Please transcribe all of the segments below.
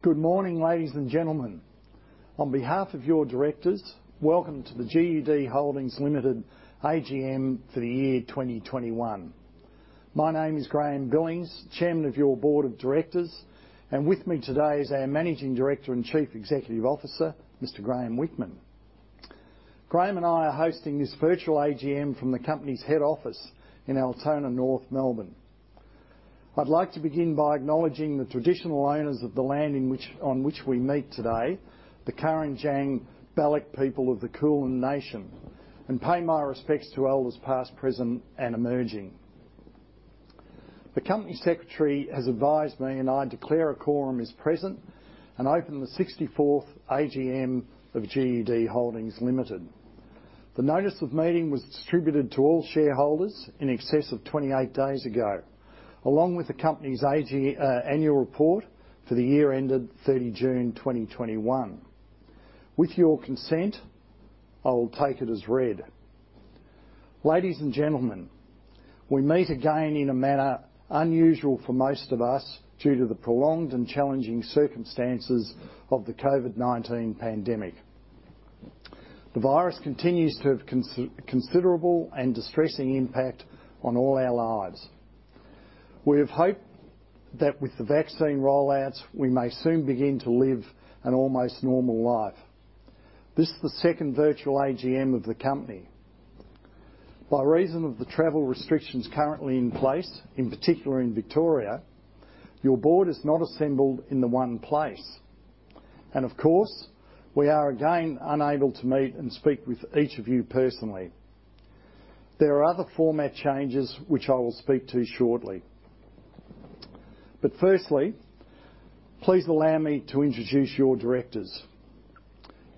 Good morning, ladies and gentlemen. On behalf of your Directors, welcome to the GUD Holdings Limited AGM for the year 2021. My name is Graeme Billings, Chairman of your Board of Directors, and with me today is our Managing Director and Chief Executive Officer, Mr. Graeme Whickman. Graeme and I are hosting this virtual AGM from the company's head office in Altona North, Melbourne. I'd like to begin by acknowledging the traditional owners of the land on which we meet today, the Wurundjeri Woi Wurrung People of the Kulin Nation, and pay my respects to elders past, present, and emerging. The Company Secretary has advised me. I declare a quorum is present and open the 64th AGM of GUD Holdings Limited. The Notice of Meeting was distributed to all shareholders in excess of 28 days ago, along with the company's AGM Annual Report for the year ended 30 June 2021. With your consent, I will take it as read. Ladies and gentlemen, we meet again in a manner unusual for most of us due to the prolonged and challenging circumstances of the COVID-19 pandemic. The virus continues to have considerable and distressing impact on all our lives. We have hope that with the vaccine rollouts, we may soon begin to live an almost normal life. This is the second virtual AGM of the company. By reason of the travel restrictions currently in place, in particular in Victoria, your Board is not assembled in the one place, and of course, we are again unable to meet and speak with each of you personally. There are other format changes which I will speak to shortly. Firstly, please allow me to introduce your Directors.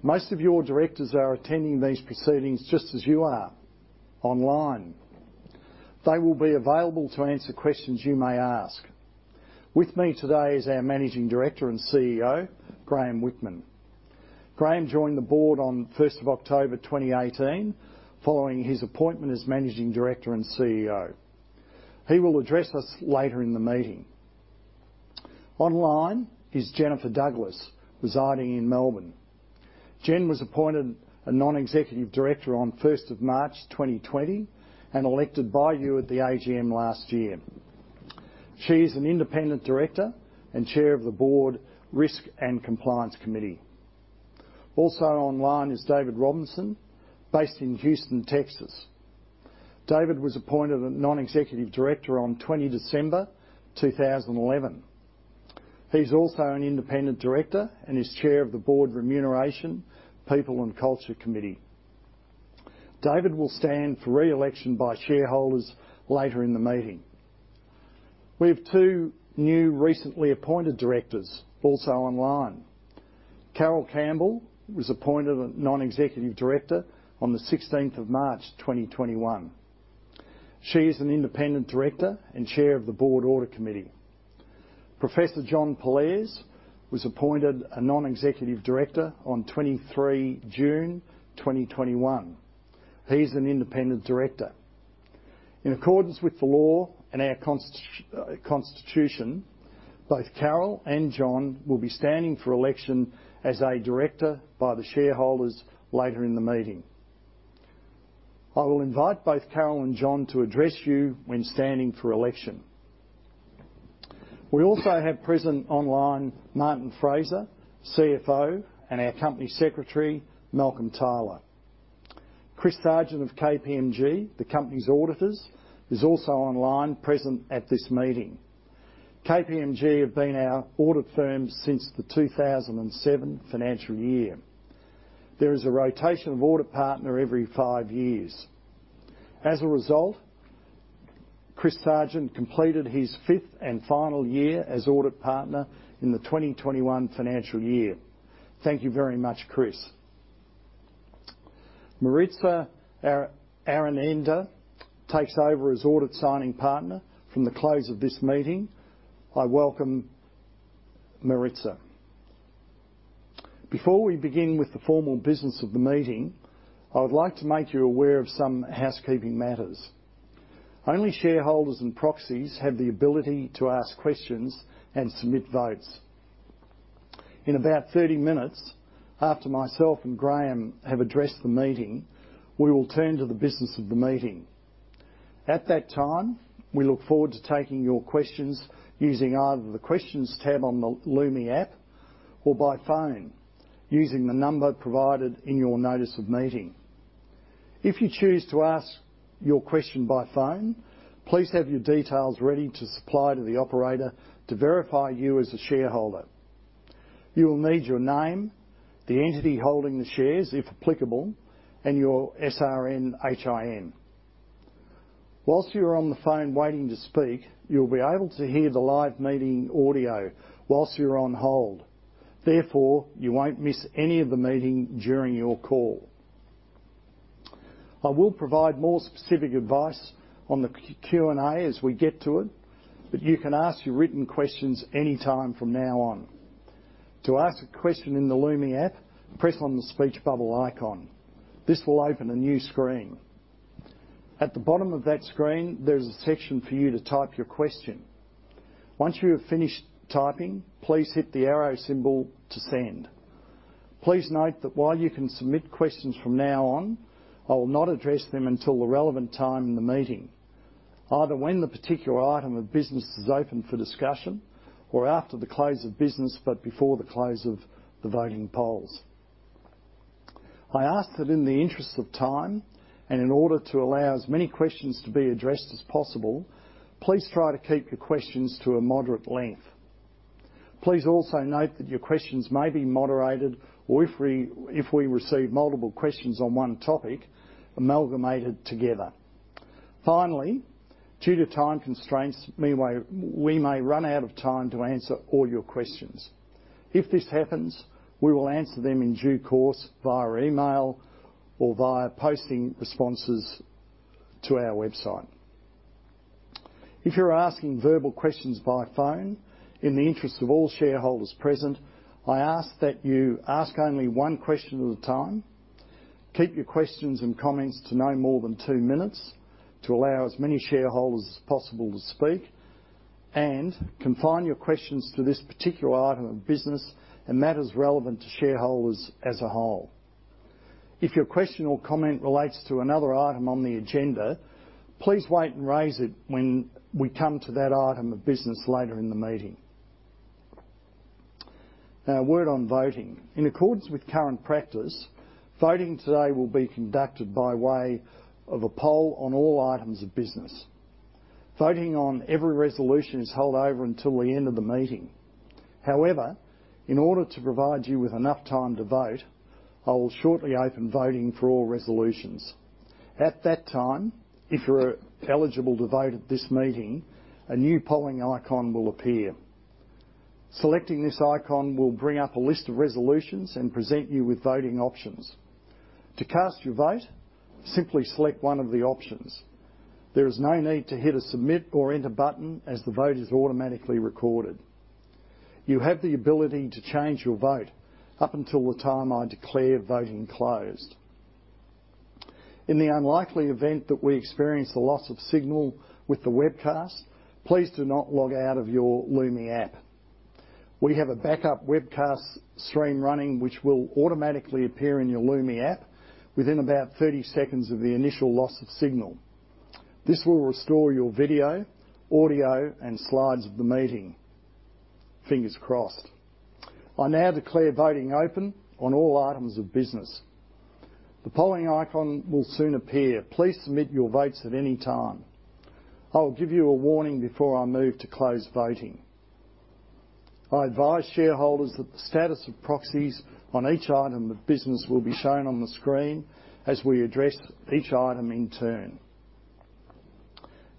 Most of your Directors are attending these proceedings just as you are, online. They will be available to answer questions you may ask. With me today is our Managing Director and CEO, Graeme Whickman. Graeme Whickman joined the Board on 1 October 2018 following his appointment as Managing Director and CEO. He will address us later in the meeting. Online is Jennifer Douglas, residing in Melbourne. Jen was appointed a Non-Executive Director on 1 March 2020, and elected by you at the AGM last year. She is an Independent Director and Chair of the Board Risk and Compliance Committee. Also online is David Robinson, based in Houston, Texas. David was appointed a Non-Executive Director on 20 December 2011. He's also an Independent Director and is Chair of the Board Remuneration, People and Culture Committee. David will stand for re-election by shareholders later in the meeting. We have two new recently appointed Directors also online. Carole Campbell was appointed a Non-Executive Director on 16 March 2021. She is an Independent Director and Chair of the Board Audit Committee. Professor John Pollaers was appointed a Non-Executive Director on 23 June 2021. He's an Independent Director. In accordance with the law and our constitution, both Carole and John will be standing for election as a Director by the shareholders later in the meeting. I will invite both Carole and John to address you when standing for election. We also have present online Martin Fraser, CFO, and our Company Secretary, Malcolm Tyler. Chris Sargent of KPMG, the company's Auditors, is also online present at this meeting. KPMG have been our audit firm since the 2007 financial year. There is a rotation of audit partner every five years. As a result, Chris Sargent completed his fifth and final year as audit partner in the 2021 financial year. Thank you very much, Chris. Maritza Araneda takes over as audit signing partner from the close of this meeting. I welcome Maritza. Before we begin with the formal Business of the Meeting, I would like to make you aware of some housekeeping matters. Only shareholders and proxies have the ability to ask questions and submit votes. In about 30 minutes, after myself and Graeme have addressed the meeting, we will turn to the Business of the Meeting. At that time, we look forward to taking your questions using either the Questions tab on the Lumi app or by phone using the number provided in your Notice of Meeting. If you choose to ask your question by phone, please have your details ready to supply to the operator to verify you as a shareholder. You will need your name, the entity holding the shares, if applicable, and your SRN/HIN. While you are on the phone waiting to speak, you'll be able to hear the live meeting audio while you're on hold. Therefore, you won't miss any of the meeting during your call. I will provide more specific advice on the Q&A as we get to it, but you can ask your written questions any time from now on. To ask a question in the Lumi app, press on the speech bubble icon. This will open a new screen. At the bottom of that screen, there's a section for you to type your question. Once you have finished typing, please hit the arrow symbol to send. Please note that while you can submit questions from now on, I will not address them until the relevant time in the meeting, either when the particular item of business is open for discussion or after the close of business, but before the close of the voting polls. I ask that in the interest of time, and in order to allow as many questions to be addressed as possible, please try to keep your questions to a moderate length. Please also note that your questions may be moderated, or if we receive multiple questions on one topic, amalgamated together. Finally, due to time constraints, we may run out of time to answer all your questions. If this happens, we will answer them in due course via email or via posting responses to our website. If you're asking verbal questions by phone, in the interest of all shareholders present, I ask that you ask only one question at a time. Keep your questions and comments to no more than two minutes to allow as many shareholders as possible to speak, and confine your questions to this particular item of business and matters relevant to shareholders as a whole. If your question or comment relates to another item on the agenda, please wait and raise it when we come to that item of business later in the meeting. Now, a word on voting. In accordance with current practice, voting today will be conducted by way of a poll on all items of business. Voting on every resolution is held over until the end of the meeting. However, in order to provide you with enough time to vote, I will shortly open voting for all resolutions. At that time, if you're eligible to vote at this meeting, a new polling icon will appear. Selecting this icon will bring up a list of resolutions and present you with voting options. To cast your vote, simply select one of the options. There is no need to hit a Submit or Enter button as the vote is automatically recorded. You have the ability to change your vote up until the time I declare voting closed. In the unlikely event that we experience a loss of signal with the webcast, please do not log out of your Lumi app. We have a backup webcast stream running which will automatically appear in your Lumi app within about 30 seconds of the initial loss of signal. This will restore your video, audio, and slides of the meeting. Fingers crossed. I now declare voting open on all items of business. The polling icon will soon appear. Please submit your votes at any time. I'll give you a warning before I move to close voting. I advise shareholders that the status of proxies on each item of business will be shown on the screen as we address each item in turn.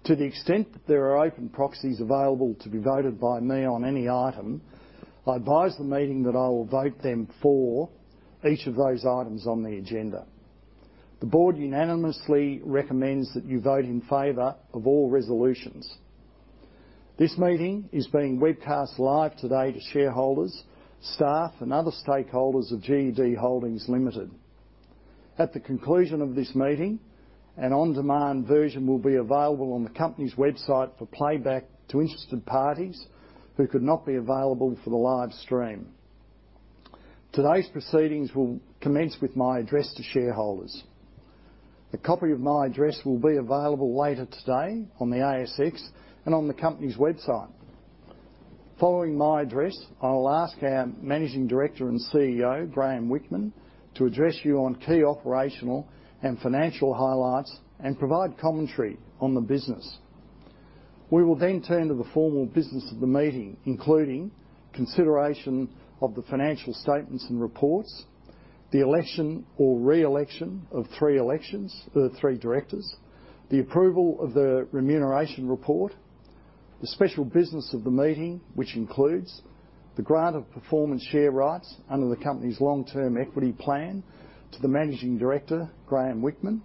To the extent that there are open proxies available to be voted by me on any item, I advise the meeting that I will vote them for each of those items on the agenda. The Board unanimously recommends that you vote in favour of all resolutions. This meeting is being webcast live today to shareholders, staff, and other stakeholders of GUD Holdings Limited. At the conclusion of this meeting, an on-demand version will be available on the company's website for playback to interested parties who could not be available for the live stream. Today's proceedings will commence with my address to shareholders. A copy of my address will be available later today on the ASX and on the company's website. Following my address, I will ask our Managing Director and CEO, Graeme Whickman, to address you on key operational and financial highlights and provide commentary on the business. We will then turn to the formal Business of the Meeting, including consideration of the financial statements and reports, the election or re-election of three Directors, the approval of the remuneration report, the special Business of the Meeting, which includes the grant of performance share rights under the company's long-term equity plan to the Managing Director, Graeme Whickman,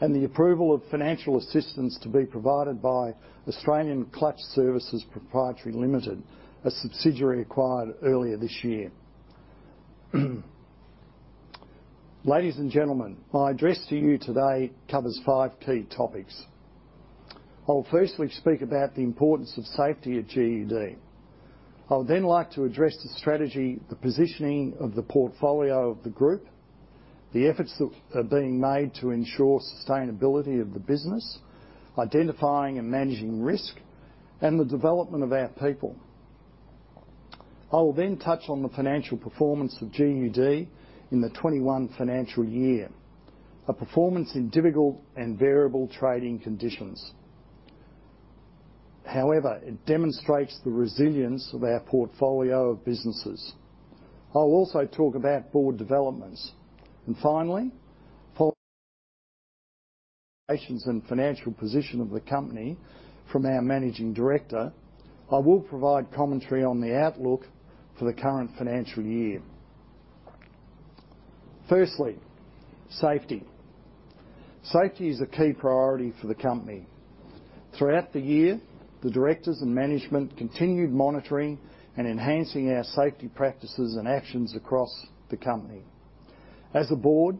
and the approval of financial assistance to be provided by Australian Clutch Services Proprietary Limited, a subsidiary acquired earlier this year. Ladies and gentlemen, my address to you today covers five key topics. I will firstly speak about the importance of safety at GUD. I would then like to address the strategy, the positioning of the portfolio of the group, the efforts that are being made to ensure sustainability of the business, identifying and managing risk, and the development of our people. I will then touch on the financial performance of GUD in the 2021 financial year, a performance in difficult and variable trading conditions. However, it demonstrates the resilience of our portfolio of businesses. I'll also talk about Board developments. Finally, following presentations on the operations and financial position of the company from our managing Director, I will provide commentary on the outlook for the current financial year. Firstly, safety. Safety is a key priority for the company. Throughout the year, the Directors and management continued monitoring and enhancing our safety practices and actions across the company. As a Board,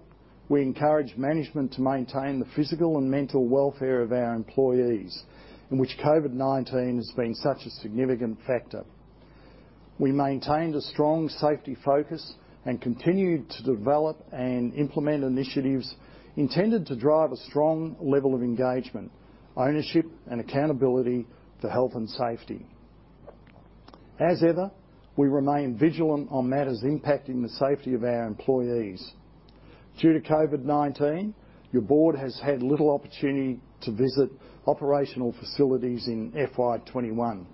we encourage management to maintain the physical and mental welfare of our employees, in which COVID-19 has been such a significant factor. We maintained a strong safety focus and continued to develop and implement initiatives intended to drive a strong level of engagement, ownership, and accountability for health and safety. As ever, we remain vigilant on matters impacting the safety of our employees. Due to COVID-19, your Board has had little opportunity to visit operational facilities in FY 2021.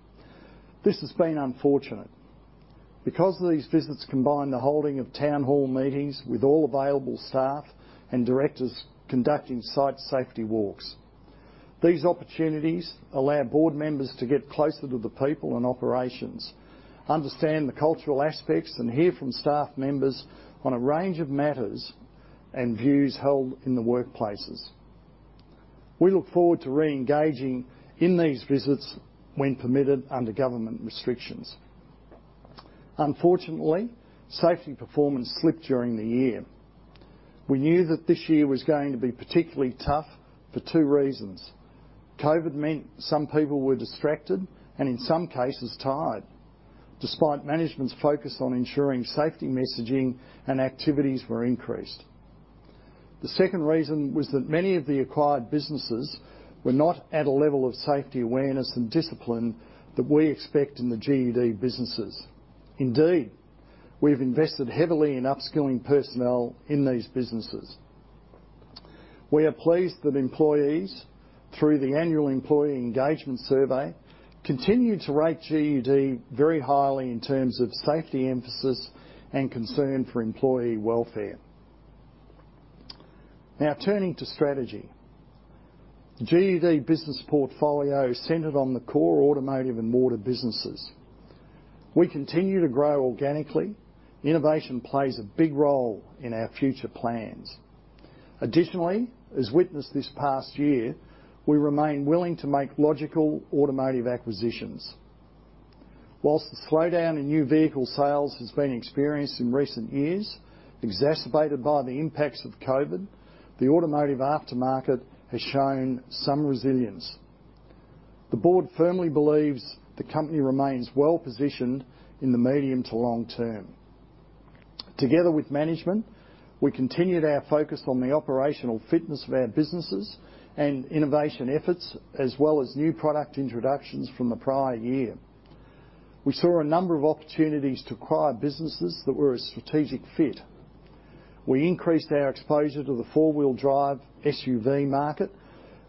This has been unfortunate because these visits combine the holding of town hall meetings with all available staff and Directors conducting site safety walks. These opportunities allow Board members to get closer to the people and operations, understand the cultural aspects, and hear from staff members on a range of matters and views held in the workplaces. We look forward to re-engaging in these visits when permitted under government restrictions. Unfortunately, safety performance slipped during the year. We knew that this year was going to be particularly tough for two reasons. COVID meant some people were distracted and, in some cases, tired, despite management's focus on ensuring safety messaging and activities were increased. The second reason was that many of the acquired businesses were not at a level of safety awareness and discipline that we expect in the GUD businesses. Indeed, we've invested heavily in upskilling personnel in these businesses. We are pleased that employees, through the annual employee engagement survey, continue to rate GUD very highly in terms of safety emphasis and concern for employee welfare. Now turning to strategy. The GUD business portfolio is centered on the core automotive and water businesses. We continue to grow organically. Innovation plays a big role in our future plans. Additionally, as witnessed this past year, we remain willing to make logical automotive acquisitions. While the slowdown in new vehicle sales has been experienced in recent years, exacerbated by the impacts of COVID, the automotive aftermarket has shown some resilience. The Board firmly believes the company remains well-positioned in the medium to long term. Together with management, we continued our focus on the operational fitness of our businesses and innovation efforts, as well as new product introductions from the prior year. We saw a number of opportunities to acquire businesses that were a strategic fit. We increased our exposure to the four-wheel drive SUV market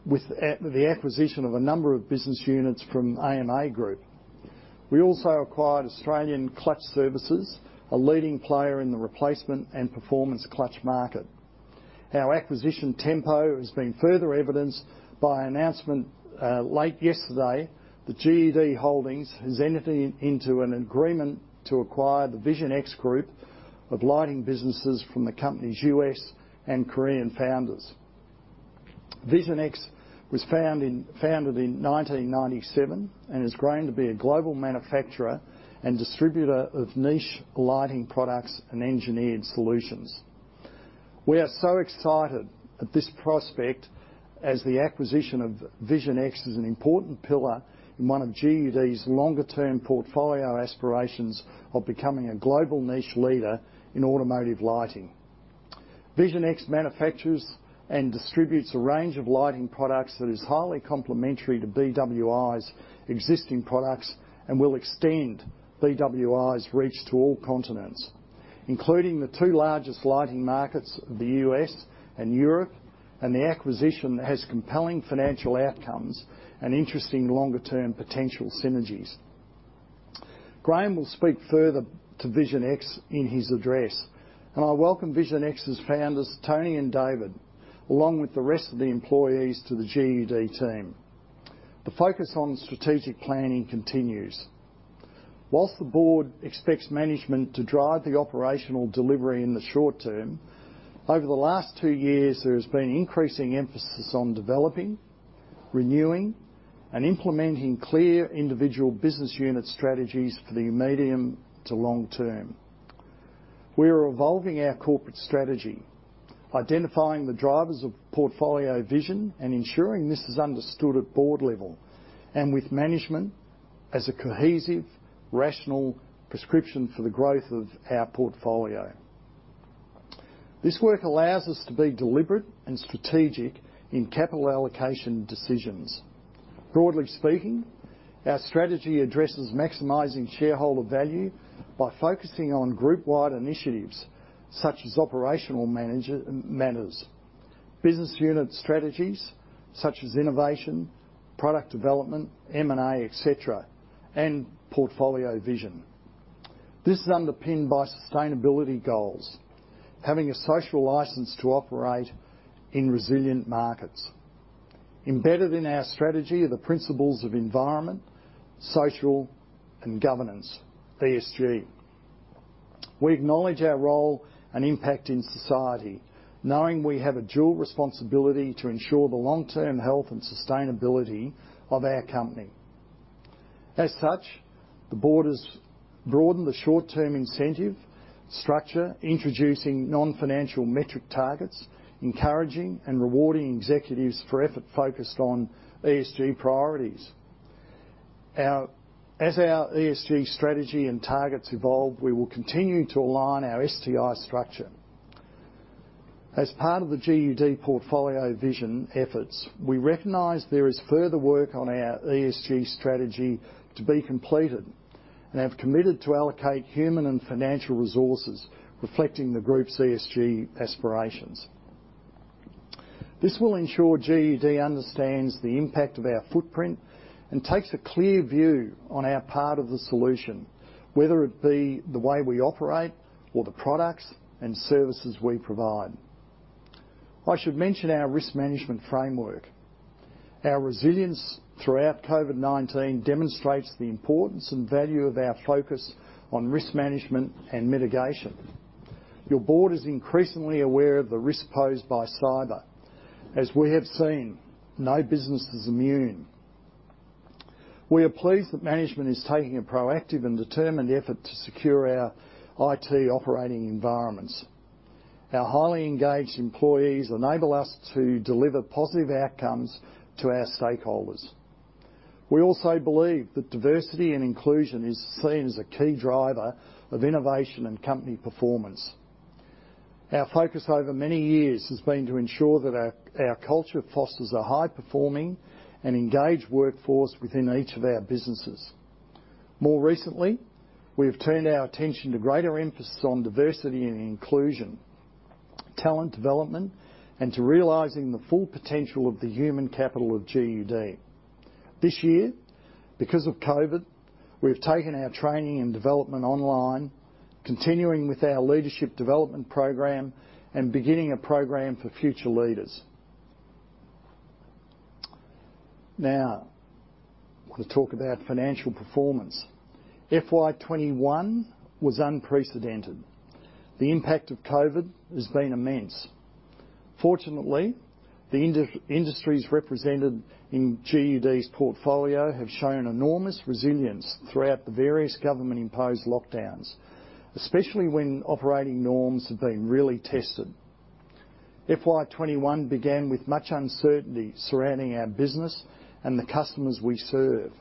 with the acquisition of a number of business units from AMA Group. We also acquired Australian Clutch Services, a leading player in the replacement and performance clutch market. Our acquisition tempo has been further evidenced by announcement late yesterday that GUD Holdings has entered into an agreement to acquire Vision X Group of lighting businesses from the company's U.S. and Korean founders. Vision X was founded in 1997 and has grown to be a global manufacturer and distributor of niche lighting products and engineered solutions. We are so excited at this prospect as the acquisition of Vision X is an important pillar in one of GUD's longer term portfolio aspirations of becoming a global niche leader in automotive lighting. Vision X manufactures and distributes a range of lighting products that is highly complementary to BWI's existing products and will extend BWI's reach to all continents, including the two largest lighting markets, the U.S. and Europe, and the acquisition has compelling financial outcomes and interesting longer term potential synergies. Graeme will speak further to Vision X in his address, and I welcome Vision X's founders, Tony and David, along with the rest of the employees, to the GUD team. The focus on strategic planning continues. While the Board expects management to drive the operational delivery in the short term, over the last two years, there has been increasing emphasis on developing, renewing, and implementing clear individual business unit strategies for the medium to long term. We are evolving our corporate strategy, identifying the drivers of portfolio vision and ensuring this is understood at Board level and with management as a cohesive, rational prescription for the growth of our portfolio. This work allows us to be deliberate and strategic in capital allocation decisions. Broadly speaking, our strategy addresses maximizing shareholder value by focusing on group-wide initiatives such as operational matters, business unit strategies such as innovation, product development, M&A, et cetera, and portfolio vision. This is underpinned by sustainability goals, having a social license to operate in resilient markets. Embedded in our strategy are the principles of environment, social, and governance, ESG. We acknowledge our role and impact in society, knowing we have a dual responsibility to ensure the long-term health and sustainability of our company. As such, the Board has broadened the short-term incentive structure, introducing non-financial metric targets, encouraging and rewarding executives for effort focused on ESG priorities. As our ESG strategy and targets evolve, we will continue to align our STI structure. As part of the GUD portfolio vision efforts, we recognize there is further work on our ESG strategy to be completed, and have committed to allocate human and financial resources reflecting the group's ESG aspirations. This will ensure GUD understands the impact of our footprint and takes a clear view on our part of the solution, whether it be the way we operate or the products and services we provide. I should mention our risk management framework. Our resilience throughout COVID-19 demonstrates the importance and value of our focus on risk management and mitigation. Your Board is increasingly aware of the risk posed by cyber. As we have seen, no business is immune. We are pleased that management is taking a proactive and determined effort to secure our IT operating environments. Our highly engaged employees enable us to deliver positive outcomes to our stakeholders. We also believe that diversity and inclusion is seen as a key driver of innovation and company performance. Our focus over many years has been to ensure that our culture fosters a high-performing and engaged workforce within each of our businesses. More recently, we have turned our attention to greater emphasis on diversity and inclusion, talent development, and to realizing the full potential of the human capital of GUD. This year, because of COVID-19, we have taken our training and development online, continuing with our leadership development program and beginning a program for future leaders. Now, to talk about financial performance. FY 2021 was unprecedented. The impact of COVID-19 has been immense. Fortunately, the industries represented in GUD's portfolio have shown enormous resilience throughout the various government-imposed lockdowns, especially when operating norms have been really tested. FY 2021 began with much uncertainty surrounding our business and the customers we serve.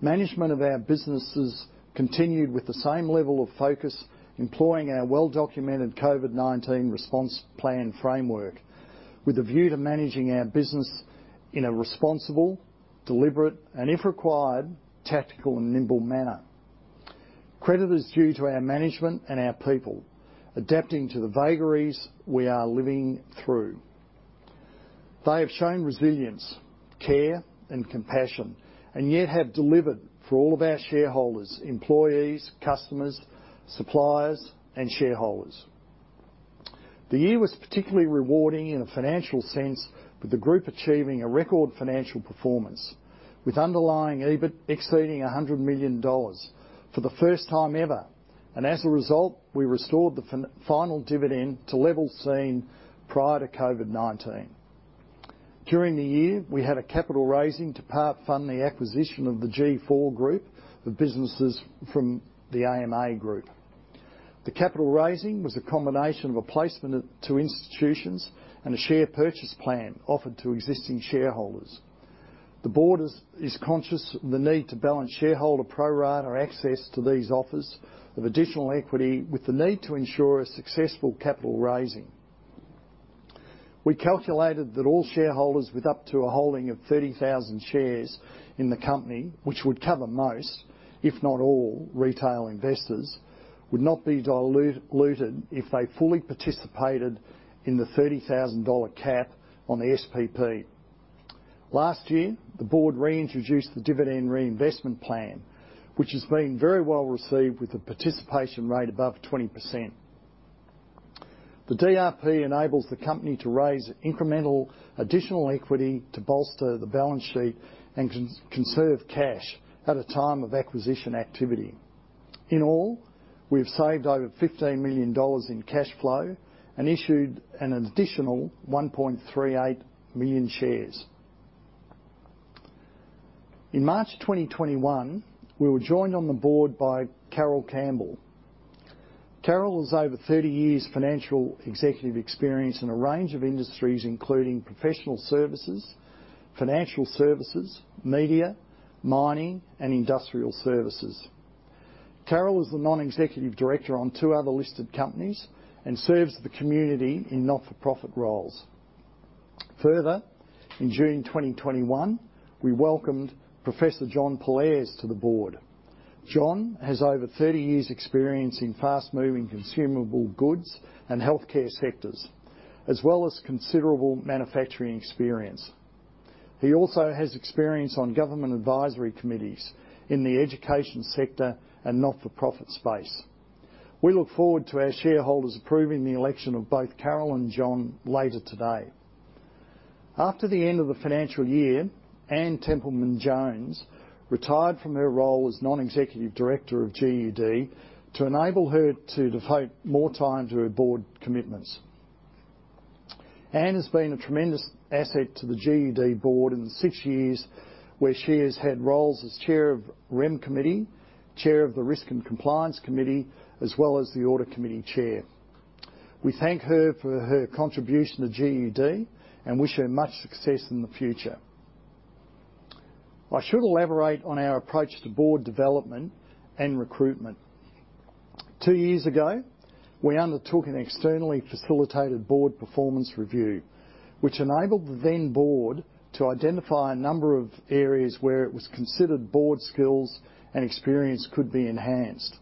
Management of our businesses continued with the same level of focus, employing our well-documented COVID-19 response plan framework, with a view to managing our business in a responsible, deliberate, and if required, tactical and nimble manner. Credit is due to our management and our people adapting to the vagaries we are living through. They have shown resilience, care and compassion, and yet have delivered for all of our shareholders, employees, customers, suppliers, and shareholders. The year was particularly rewarding in a financial sense, with the group achieving a record financial performance, with underlying EBIT exceeding 100 million dollars for the first time ever. As a result, we restored the final dividend to levels seen prior to COVID-19. During the year, we had a capital raising to part-fund the acquisition of the G4 group of businesses from the AMA Group. The capital raising was a combination of a placement to institutions and a share purchase plan offered to existing shareholders. The Board is conscious of the need to balance shareholder pro rata access to these offers of additional equity with the need to ensure a successful capital raising. We calculated that all shareholders with up to a holding of 30,000 shares in the company, which would cover most, if not all retail investors, would not be diluted if they fully participated in the 30,000 dollar cap on the SPP. Last year, the Board reintroduced the dividend reinvestment plan, which has been very well received with a participation rate above 20%. The DRP enables the company to raise incremental additional equity to bolster the balance sheet and conserve cash at a time of acquisition activity. In all, we have saved over 15 million dollars in cash flow and issued an additional 1.38 million shares. In March 2021, we were joined on the Board by Carole Campbell. Carole has over 30 years financial executive experience in a range of industries, including professional services, financial services, media, mining, and industrial services. Carole is the Non-Executive Director on two other listed companies and serves the community in not-for-profit roles. In June 2021, we welcomed Professor John Pollaers to the Board. John has over 30 years experience in fast-moving consumable goods and healthcare sectors, as well as considerable manufacturing experience. He also has experience on government advisory committees in the education sector and not-for-profit space. We look forward to our shareholders approving the election of both Carole and John later today. After the end of the financial year, Anne Templeman-Jones retired from her role as Non-Executive Director of GUD to enable her to devote more time to her Board commitments. Anne has been a tremendous asset to the GUD Board in the six years where she has had roles as Chair of Remuneration Committee, Chair of the Risk and Compliance Committee, as well as the Audit Committee Chair. We thank her for her contribution to GUD and wish her much success in the future. I should elaborate on our approach to Board development and recruitment. Two years ago, we undertook an externally facilitated Board performance review, which enabled the then Board to identify a number of areas where it was considered Board skills and experience could be enhanced.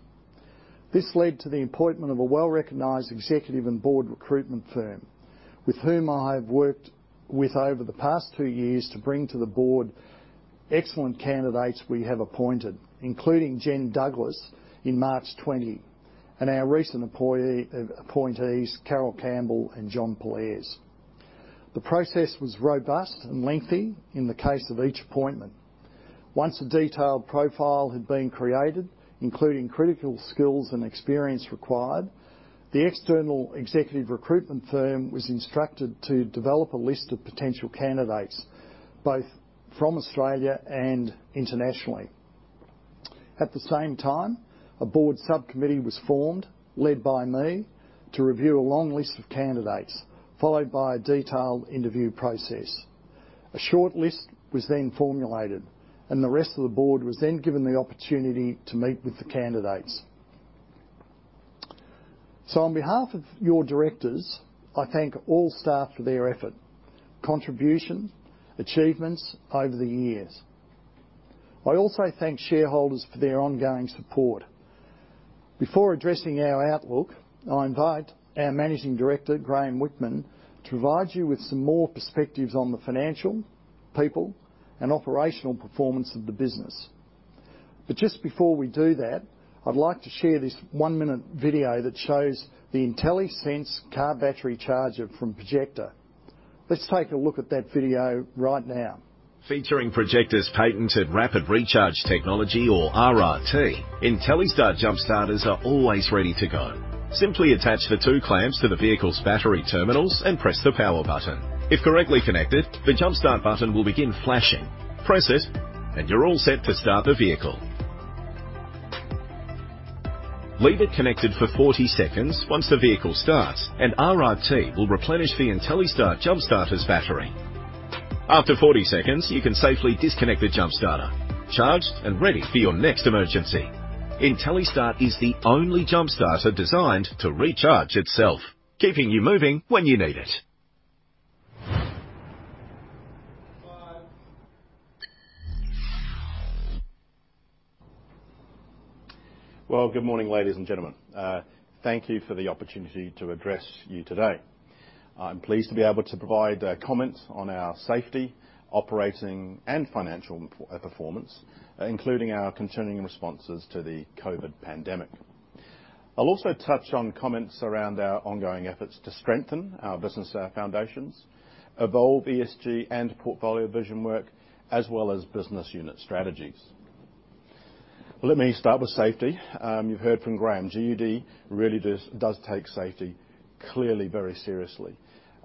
This led to the appointment of a well-recognized executive and Board recruitment firm, with whom I have worked with over the past two years to bring to the Board excellent candidates we have appointed, including Jennifer Douglas in March 2020, and our recent appointees, Carole Campbell and John Pollaers. The process was robust and lengthy in the case of each appointment. Once a detailed profile had been created, including critical skills and experience required, the external executive recruitment firm was instructed to develop a list of potential candidates, both from Australia and internationally. At the same time, a Board subcommittee was formed, led by me, to review a long list of candidates, followed by a detailed interview process. A short list was then formulated, and the rest of the Board was then given the opportunity to meet with the candidates. On behalf of your Directors, I thank all staff for their effort, contribution, achievements over the years. I also thank shareholders for their ongoing support. Before addressing our outlook, I invite our Managing Director, Graeme Whickman, to provide you with some more perspectives on the financial, people, and operational performance of the business. Just before we do that, I'd like to share this one-minute video that shows the Intelli-Start car battery charger from Projecta. Let's take a look at that video right now. Featuring Projecta's patented Rapid Recharge Technology or RRT, Intelli-Start jump starters are always ready to go. Simply attach the two clamps to the vehicle's battery terminals and press the power button. If correctly connected, the jump start button will begin flashing. Press it, and you're all set to start the vehicle. Leave it connected for 40 seconds once the vehicle starts, and RRT will replenish the Intelli-Start jump starter's battery. After 40 seconds, you can safely disconnect the jump starter. Charged and ready for your next emergency. Intelli-Start is the only jump starter designed to recharge itself, keeping you moving when you need it. Well, good morning, ladies and gentlemen. Thank you for the opportunity to address you today. I'm pleased to be able to provide comments on our safety, operating, and financial performance, including our continuing responses to the COVID-19 pandemic. I'll also touch on comments around our ongoing efforts to strengthen our business foundations, evolve ESG and portfolio vision work, as well as business unit strategies. Let me start with safety. You've heard from Graeme. GUD really does take safety clearly very seriously,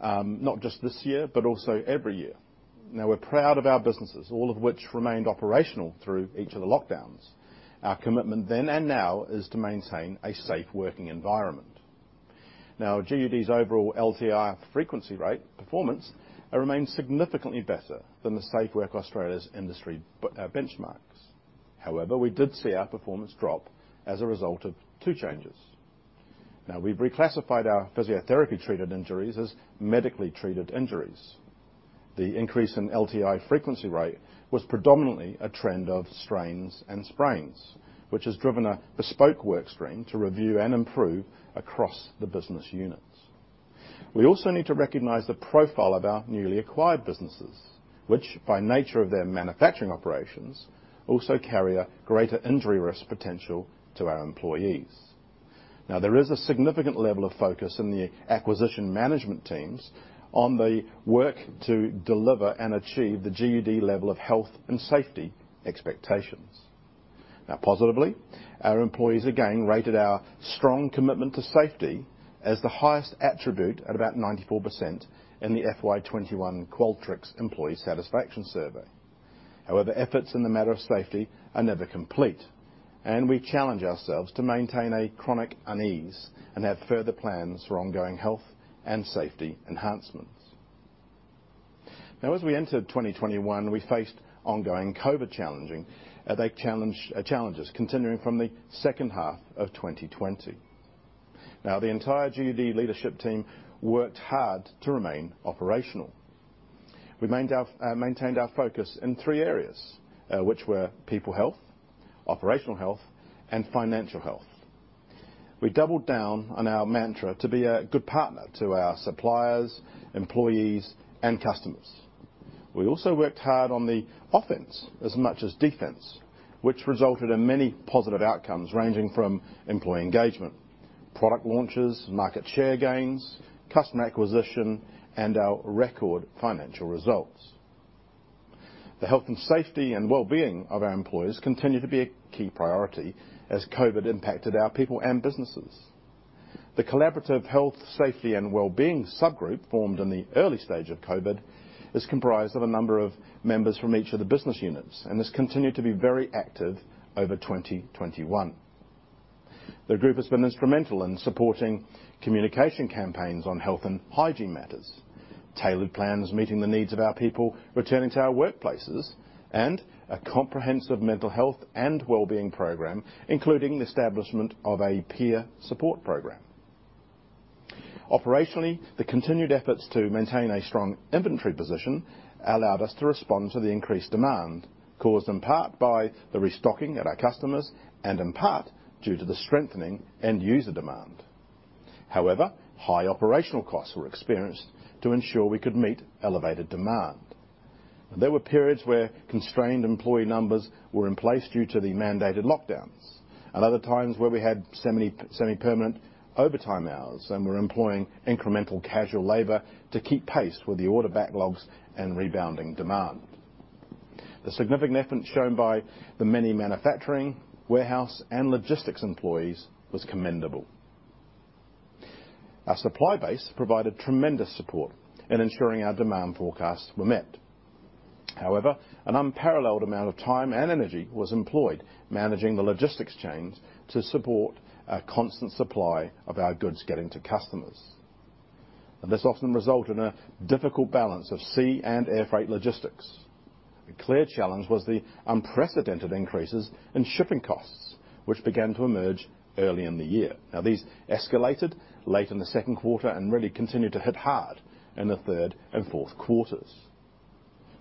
not just this year, but also every year. Now, we're proud of our businesses, all of which remained operational through each of the lockdowns. Our commitment then and now is to maintain a safe working environment. Now, GUD's overall LTI frequency rate performance remains significantly better than the Safe Work Australia industry benchmarks. However, we did see our performance drop as a result of two changes. Now, we've reclassified our physiotherapy-treated injuries as medically-treated injuries. The increase in LTI frequency rate was predominantly a trend of strains and sprains, which has driven a bespoke work stream to review and improve across the business units. We also need to recognize the profile of our newly acquired businesses, which, by nature of their manufacturing operations, also carry a greater injury risk potential to our employees. Now, there is a significant level of focus in the acquisition management teams on the work to deliver and achieve the GUD level of health and safety expectations. Now, positively, our employees again rated our strong commitment to safety as the highest attribute at about 94% in the FY 2021 Qualtrics employee satisfaction survey. However, efforts in the matter of safety are never complete, and we challenge ourselves to maintain a chronic unease and have further plans for ongoing health and safety enhancements. Now, as we entered 2021, we faced ongoing COVID challenges continuing from the second half of 2020. Now, the entire GUD leadership team worked hard to remain operational. We maintained our focus in three areas, which were people health, operational health, and financial health. We doubled down on our mantra to be a good partner to our suppliers, employees, and customers. We also worked hard on the offense as much as defense, which resulted in many positive outcomes ranging from employee engagement, product launches, market share gains, customer acquisition, and our record financial results. The health and safety and well-being of our employees continued to be a key priority as COVID impacted our people and businesses. The collaborative health, safety, and well-being subgroup formed in the early stage of COVID is comprised of a number of members from each of the business units, and this continued to be very active over 2021. The group has been instrumental in supporting communication campaigns on health and hygiene matters, tailored plans meeting the needs of our people returning to our workplaces, and a comprehensive mental health and well-being program, including the establishment of a peer support program. Operationally, the continued efforts to maintain a strong inventory position allowed us to respond to the increased demand caused in part by the restocking at our customers and in part due to the strengthening end-user demand. However, high operational costs were experienced to ensure we could meet elevated demand. There were periods where constrained employee numbers were in place due to the mandated lockdowns and other times where we had semi-permanent overtime hours and were employing incremental casual labor to keep pace with the order backlogs and rebounding demand. The significant effort shown by the many manufacturing, warehouse, and logistics employees was commendable. Our supply base provided tremendous support in ensuring our demand forecasts were met. However, an unparalleled amount of time and energy was employed managing the logistics chains to support a constant supply of our goods getting to customers. This often resulted in a difficult balance of sea and airfreight logistics. A clear challenge was the unprecedented increases in shipping costs, which began to emerge early in the year. Now, these escalated late in the second quarter and really continued to hit hard in the third and fourth quarters.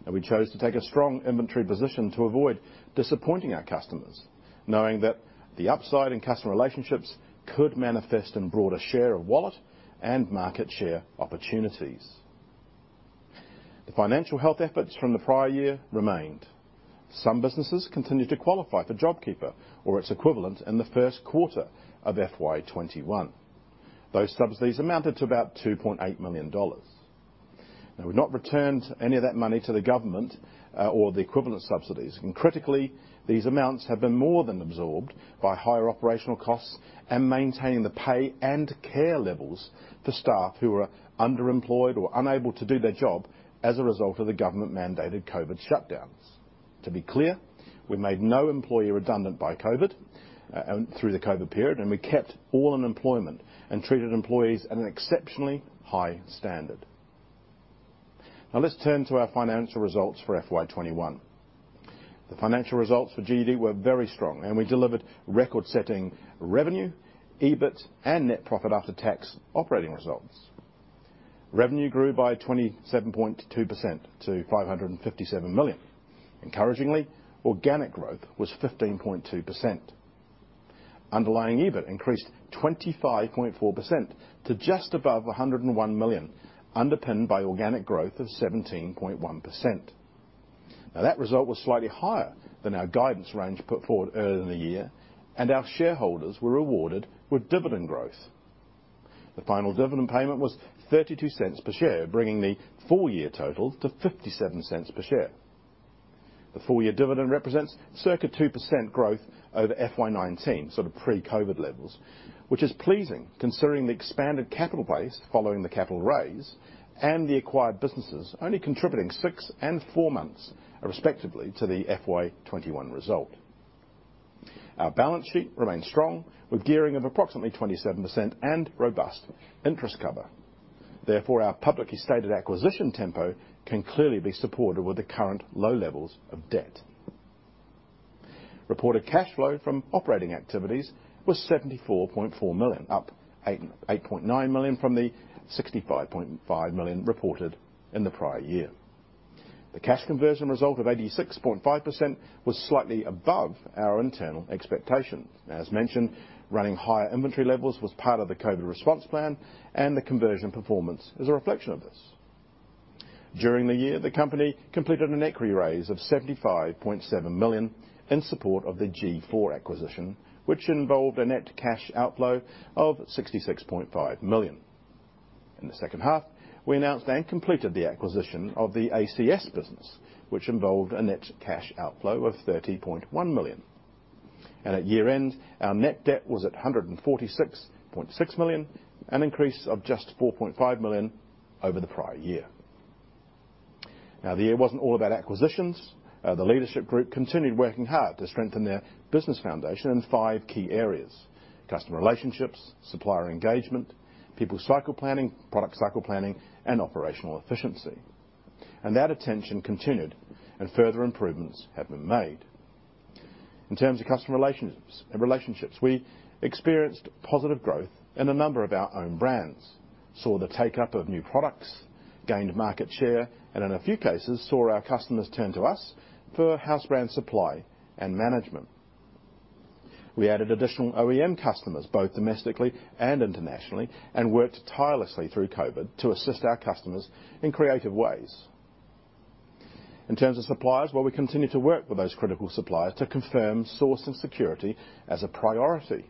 Now, we chose to take a strong inventory position to avoid disappointing our customers, knowing that the upside in customer relationships could manifest in broader share of wallet and market share opportunities. The financial health efforts from the prior year remained. Some businesses continued to qualify for JobKeeper or its equivalent in the first quarter of FY 2021. Those subsidies amounted to about 2.8 million dollars. Now, we've not returned any of that money to the government, or the equivalent subsidies. Critically, these amounts have been more than absorbed by higher operational costs and maintaining the pay and care levels for staff who are underemployed or unable to do their job as a result of the government-mandated COVID-19 shutdowns. To be clear, we made no employee redundant by COVID through the COVID period, and we kept all in employment and treated employees at an exceptionally high standard. Now, let's turn to our financial results for FY 2021. The financial results for GUD were very strong, and we delivered record-setting revenue, EBIT, and net profit after tax operating results. Revenue grew by 27.2% to 557 million. Encouragingly, organic growth was 15.2%. Underlying EBIT increased 25.4% to just above 101 million, underpinned by organic growth of 17.1%. Now, that result was slightly higher than our guidance range put forward earlier in the year, and our shareholders were rewarded with dividend growth. The final dividend payment was 0.32 per share, bringing the full year total to 0.57 per share. The full year dividend represents circa 2% growth over FY 2019, sort of pre-COVID levels, which is pleasing considering the expanded capital base following the capital raise and the acquired businesses only contributing six and four months respectively to the FY 2021 result. Our balance sheet remains strong with gearing of approximately 27% and robust interest cover. Therefore, our publicly stated acquisition tempo can clearly be supported with the current low levels of debt. Reported cash flow from operating activities was 74.4 million, up 8.9 million from the 65.5 million reported in the prior year. The cash conversion result of 86.5% was slightly above our internal expectation. As mentioned, running higher inventory levels was part of the COVID response plan, and the conversion performance is a reflection of this. During the year, the company completed an equity raise of 75.7 million in support of the G4 acquisition, which involved a net cash outflow of 66.5 million. In the second half, we announced and completed the acquisition of the ACS business, which involved a net cash outflow of 30.1 million. At year-end, our net debt was at 146.6 million, an increase of just 4.5 million over the prior year. Now, the year wasn't all about acquisitions. The leadership group continued working hard to strengthen their business foundation in five key areas: customer relationships, supplier engagement, people cycle planning, product cycle planning, and operational efficiency. That attention continued, and further improvements have been made. In terms of customer relationships and relationships, we experienced positive growth in a number of our own brands. saw the take-up of new products, gained market share, and in a few cases, saw our customers turn to us for house brand supply and management. We added additional OEM customers both domestically and internationally, and worked tirelessly through COVID to assist our customers in creative ways. In terms of suppliers, well, we continue to work with those critical suppliers to confirm source and security as a priority.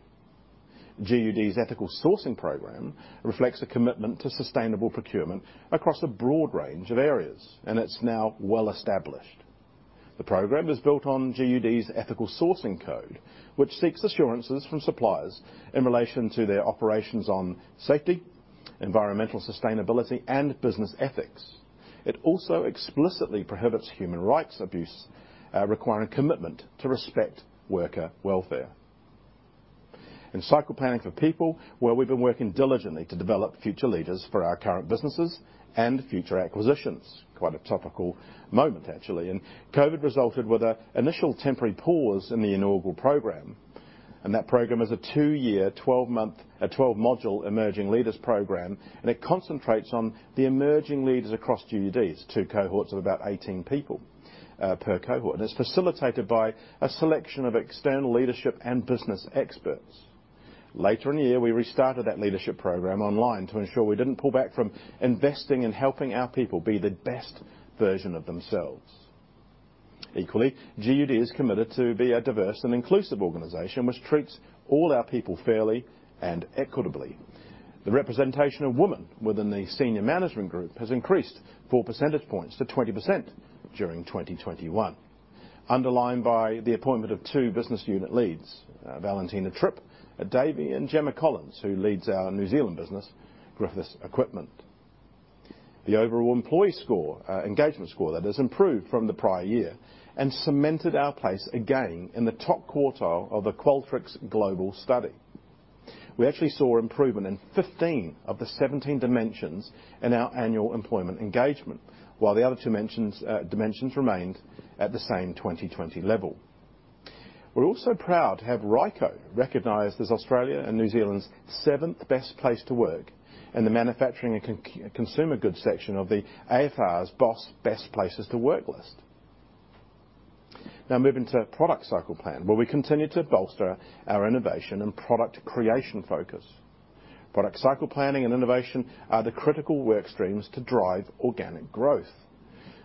GUD's ethical sourcing program reflects a commitment to sustainable procurement across a broad range of areas, and it's now well established. The program is built on GUD's ethical sourcing code, which seeks assurances from suppliers in relation to their operations on safety, environmental sustainability, and business ethics. It also explicitly prohibits human rights abuse, requiring commitment to respect worker welfare. In cycle planning for people, well, we've been working diligently to develop future leaders for our current businesses and future acquisitions. Quite a topical moment actually, COVID resulted with an initial temporary pause in the inaugural program. That program is a two-year, 12-module emerging leaders program, and it concentrates on the emerging leaders across GUD's two cohorts of about 18 people per cohort. It's facilitated by a selection of external leadership and business experts. Later in the year, we restarted that leadership program online to ensure we didn't pull back from investing in helping our people be the best version of themselves. Equally, GUD is committed to be a diverse and inclusive organization which treats all our people fairly and equitably. The representation of women within the senior management group has increased 4 percentage points to 20% during 2021, underlined by the appointment of two business unit leads, Valentina Tripp at Davey and Gemma Collins, who leads our New Zealand business, Griffiths Equipment. The overall employee score, engagement score that has improved from the prior year and cemented our place again in the top quartile of the Qualtrics global study. We actually saw improvement in 15 of the 17 dimensions in our annual employment engagement, while the other two dimensions remained at the same 2020 level. We're also proud to have Ryco Filters recognized as Australia and New Zealand's 7th best place to work in the manufacturing and consumer goods section of the AFR BOSS Best Places to Work list. Now moving to product cycle plan, where we continue to bolster our innovation and product creation focus. Product cycle planning and innovation are the critical work streams to drive organic growth.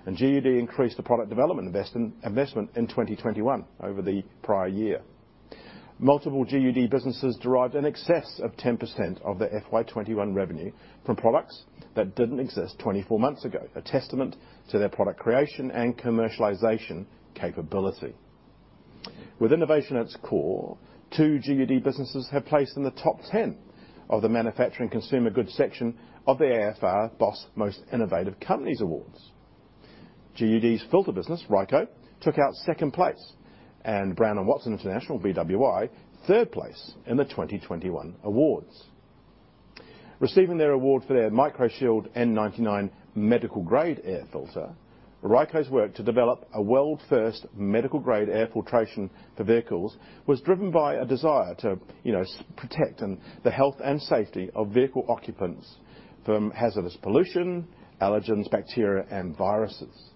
GUD increased the product development investment in 2021 over the prior year. Multiple GUD businesses derived in excess of 10% of their FY 2021 revenue from products that didn't exist 24 months ago, a testament to their product creation and commercialization capability. With innovation at its core, two GUD businesses have placed in the top 10 of the manufacturing consumer goods section of the AFR BOSS Most Innovative Companies Awards. GUD's filter business, Ryco Filters, took out second place, and Brown & Watson International, BWI, third place in the 2021 awards. Receiving their award for their N99 MicroShield medical grade air filter, Ryco Filters's work to develop a world-first medical grade air filtration for vehicles was driven by a desire to, you know, protect the health and safety of vehicle occupants from hazardous pollution, allergens, bacteria, and viruses.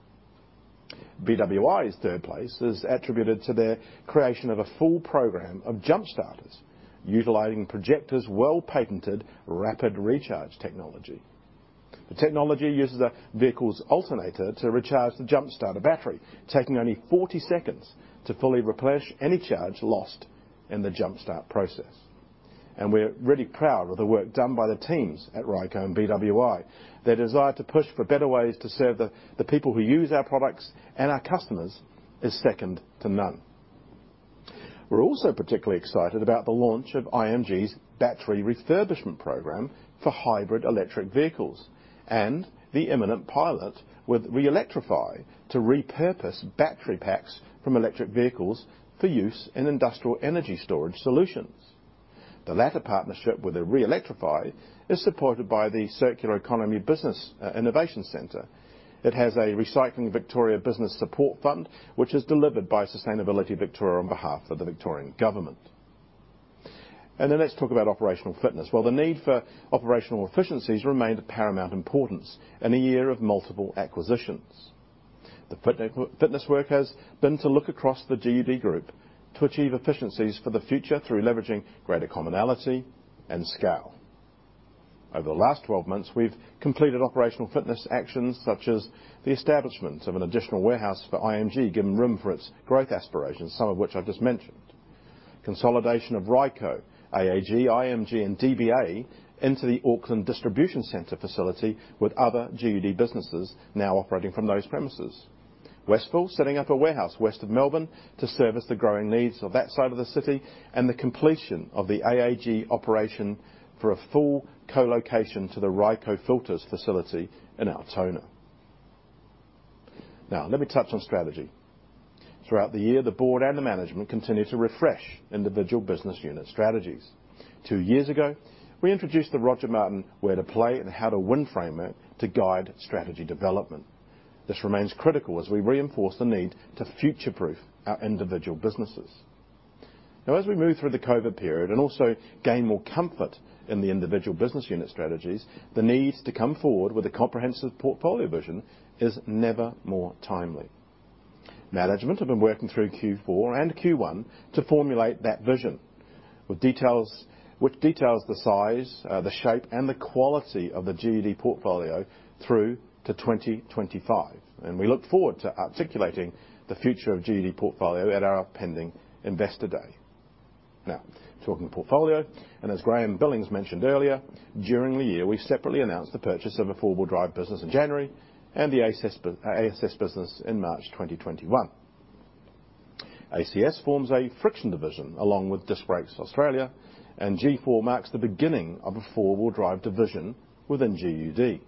BWI's third place is attributed to their creation of a full program of jump starters utilizing Projecta's well-patented Rapid Recharge Technology. The technology uses a vehicle's alternator to recharge the jump starter battery, taking only 40 seconds to fully replenish any charge lost in the jumpstart process. We're really proud of the work done by the teams at Ryco Filters and BWI. Their desire to push for better ways to serve the people who use our products and our customers is second to none. We're also particularly excited about the launch of IM Group's battery refurbishment program for hybrid electric vehicles and the imminent pilot with Relectrify to repurpose battery packs from electric vehicles for use in industrial energy storage solutions. The latter partnership with Relectrify is supported by the Circular Economy Business Innovation Center. It has a Recycling Victoria Business Support Fund, which is delivered by Sustainability Victoria on behalf of the Victorian Government. Let's talk about operational fitness. Well, the need for operational efficiencies remained of paramount importance in a year of multiple acquisitions. The fitness work has been to look across the GUD group to achieve efficiencies for the future through leveraging greater commonality and scale. Over the last 12 months, we've completed operational fitness actions such as the establishment of an additional warehouse for IM Group, giving room for its growth aspirations, some of which I've just mentioned. Consolidation of Ryco Filters, AAG, IM Group, and DBA into the Auckland Distribution Center facility with other GUD businesses now operating from those premises. Wesfil setting up a warehouse west of Melbourne to service the growing needs of that side of the city, and the completion of the AAG operation for a full co-location to Ryco Filters facility in Altona. Now, let me touch on strategy. Throughout the year, the Board and the management continued to refresh individual business unit strategies. Two years ago, we introduced the Roger Martin Where to Play and How to Win framework to guide strategy development. This remains critical as we reinforce the need to future-proof our individual businesses. Now, as we move through the COVID period and also gain more comfort in the individual business unit strategies, the need to come forward with a comprehensive portfolio vision is never more timely. Management have been working through Q4 and Q1 to formulate that vision, with details which detail the size, the shape, and the quality of the GUD portfolio through to 2025. We look forward to articulating the future of GUD portfolio at our pending Investor Day. Now, talking portfolio, as Graeme Billings mentioned earlier, during the year, we separately announced the purchase of a four-wheel drive business in January and the ACS business in March 2021. ACS forms a friction division along with Disc Brakes Australia, and G4 marks the beginning of a four-wheel drive division within GUD.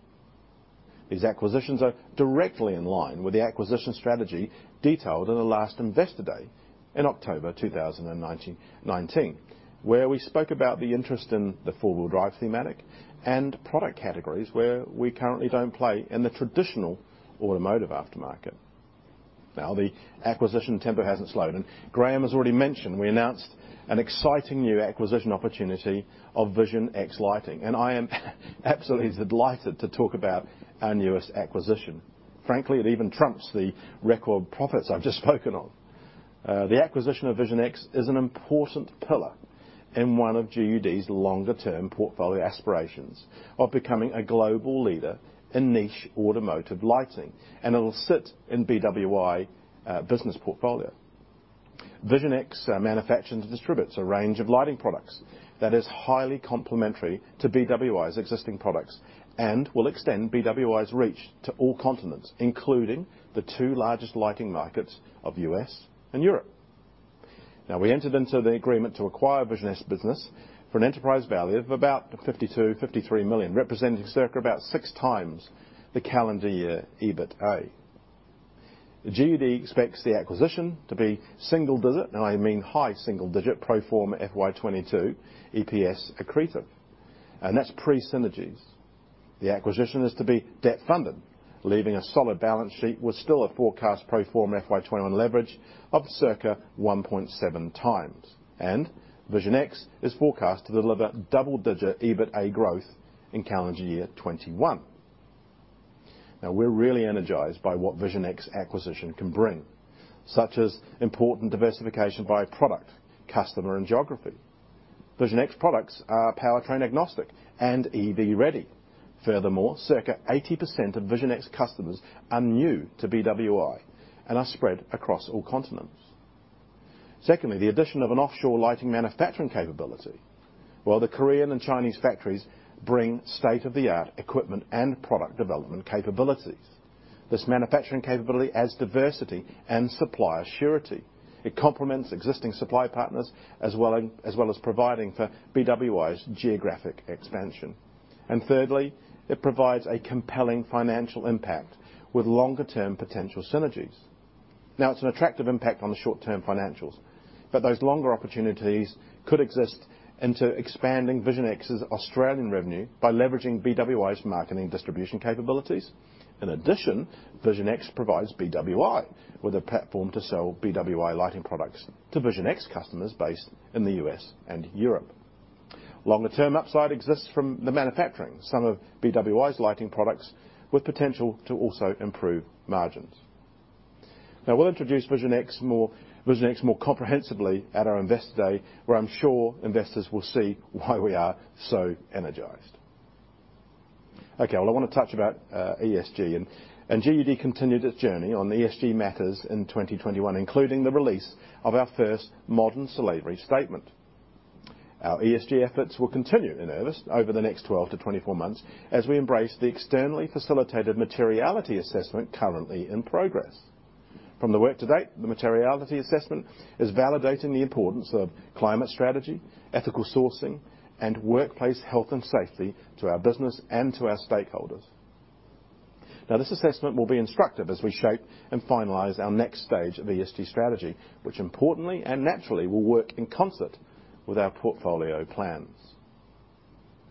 These acquisitions are directly in line with the acquisition strategy detailed in the last Investor Day in October 2019, where we spoke about the interest in the four-wheel drive thematic and product categories where we currently don't play in the traditional automotive aftermarket. Now, the acquisition tempo hasn't slowed, and Graeme has already mentioned we announced an exciting new acquisition opportunity of Vision X Lighting, and I am absolutely delighted to talk about our newest acquisition. Frankly, it even trumps the record profits I've just spoken of. The acquisition of Vision X is an important pillar in one of GUD's longer term portfolio aspirations of becoming a global leader in niche automotive lighting, and it'll sit in BWI business portfolio. Vision X manufactures and distributes a range of lighting products that is highly complementary to BWI's existing products and will extend BWI's reach to all continents, including the two largest lighting markets of U.S. and Europe. Now, we entered into the agreement to acquire Vision X business for an enterprise value of about $52 million-$53 million, representing circa about 6x the calendar year EBITA. The GUD expects the acquisition to be single digit, I mean high single digit pro forma FY 2022 EPS accretive, and that's pre-synergies. The acquisition is to be debt-funded, leaving a solid balance sheet with still a forecast pro forma FY 2021 leverage of circa 1.7x. Vision X is forecast to deliver double-digit EBITA growth in calendar year 2021. Now, we're really energized by what Vision X acquisition can bring, such as important diversification by product, customer, and geography. Vision X products are powertrain agnostic and EV ready. Furthermore, circa 80% of Vision X customers are new to BWI and are spread across all continents. Secondly, the addition of an offshore lighting manufacturing capability, while the Korean and Chinese factories bring state-of-the-art equipment and product development capabilities, adds diversity and supplier surety. It complements existing supply partners as well as providing for BWI's geographic expansion. Thirdly, it provides a compelling financial impact with longer-term potential synergies. Now, it's an attractive impact on the short-term financials, but those longer opportunities could exist in expanding Vision X's Australian revenue by leveraging BWI's marketing distribution capabilities. In addition, Vision X provides BWI with a platform to sell BWI lighting products to Vision X customers based in the U.S. and Europe. Longer-term upside exists from manufacturing some of BWI's lighting products, with potential to also improve margins. Now, we'll introduce Vision X more comprehensively at our Investor Day, where I'm sure investors will see why we are so energized. Okay, well, I wanna touch about ESG and GUD continued its journey on ESG matters in 2021, including the release of our first modern slavery statement. Our ESG efforts will continue in earnest over the next 12-24 months as we embrace the externally facilitated materiality assessment currently in progress. From the work to date, the materiality assessment is validating the importance of climate strategy, ethical sourcing, and workplace health and safety to our business and to our stakeholders. This assessment will be instructive as we shape and finalize our next stage of ESG strategy, which importantly and naturally will work in concert with our portfolio plans.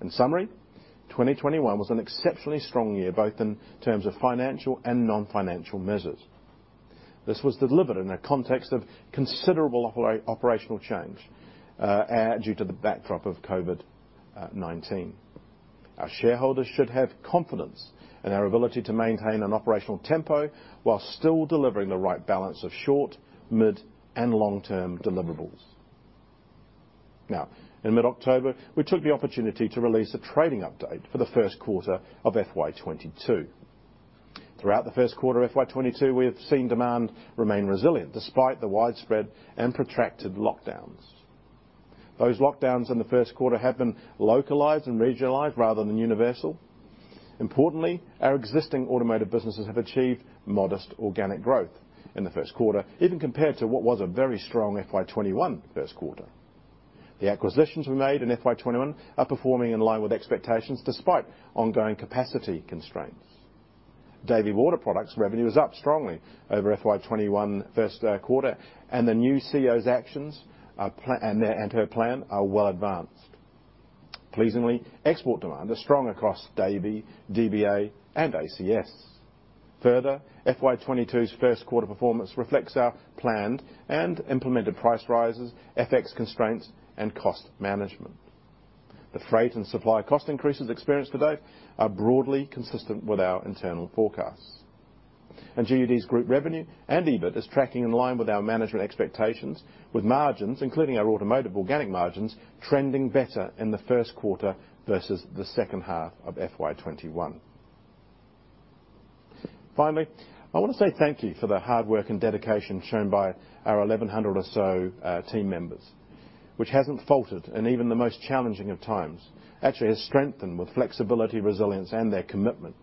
In summary, 2021 was an exceptionally strong year, both in terms of financial and non-financial measures. This was delivered in a context of considerable operational change due to the backdrop of COVID-19. Our shareholders should have confidence in our ability to maintain an operational tempo while still delivering the right balance of short, mid-, and long-term deliverables. Now, in mid-October, we took the opportunity to release a trading update for the first quarter of FY 2022. Throughout the first quarter of FY 2022, we have seen demand remain resilient despite the widespread and protracted lockdowns. Those lockdowns in the first quarter have been localized and regionalized rather than universal. Importantly, our existing automotive businesses have achieved modest organic growth in the first quarter, even compared to what was a very strong FY 2021 first quarter. The acquisitions we made in FY 2021 are performing in line with expectations despite ongoing capacity constraints. Davey Water Products revenue is up strongly over FY 2021 first quarter, and the new CEO's actions and her plan are well advanced. Pleasingly, export demand is strong across Davey, DBA, and ACS. Further, FY 2022's first quarter performance reflects our planned and implemented price rises, FX constraints, and cost management. The freight and supply cost increases experienced to date are broadly consistent with our internal forecasts. GUD's group revenue and EBIT is tracking in line with our management expectations, with margins, including our automotive organic margins, trending better in the first quarter versus the second half of FY 2021. Finally, I wanna say thank you for the hard work and dedication shown by our 1,100 or so team members, which hasn't faltered in even the most challenging of times. Actually has strengthened with flexibility, resilience, and their commitment.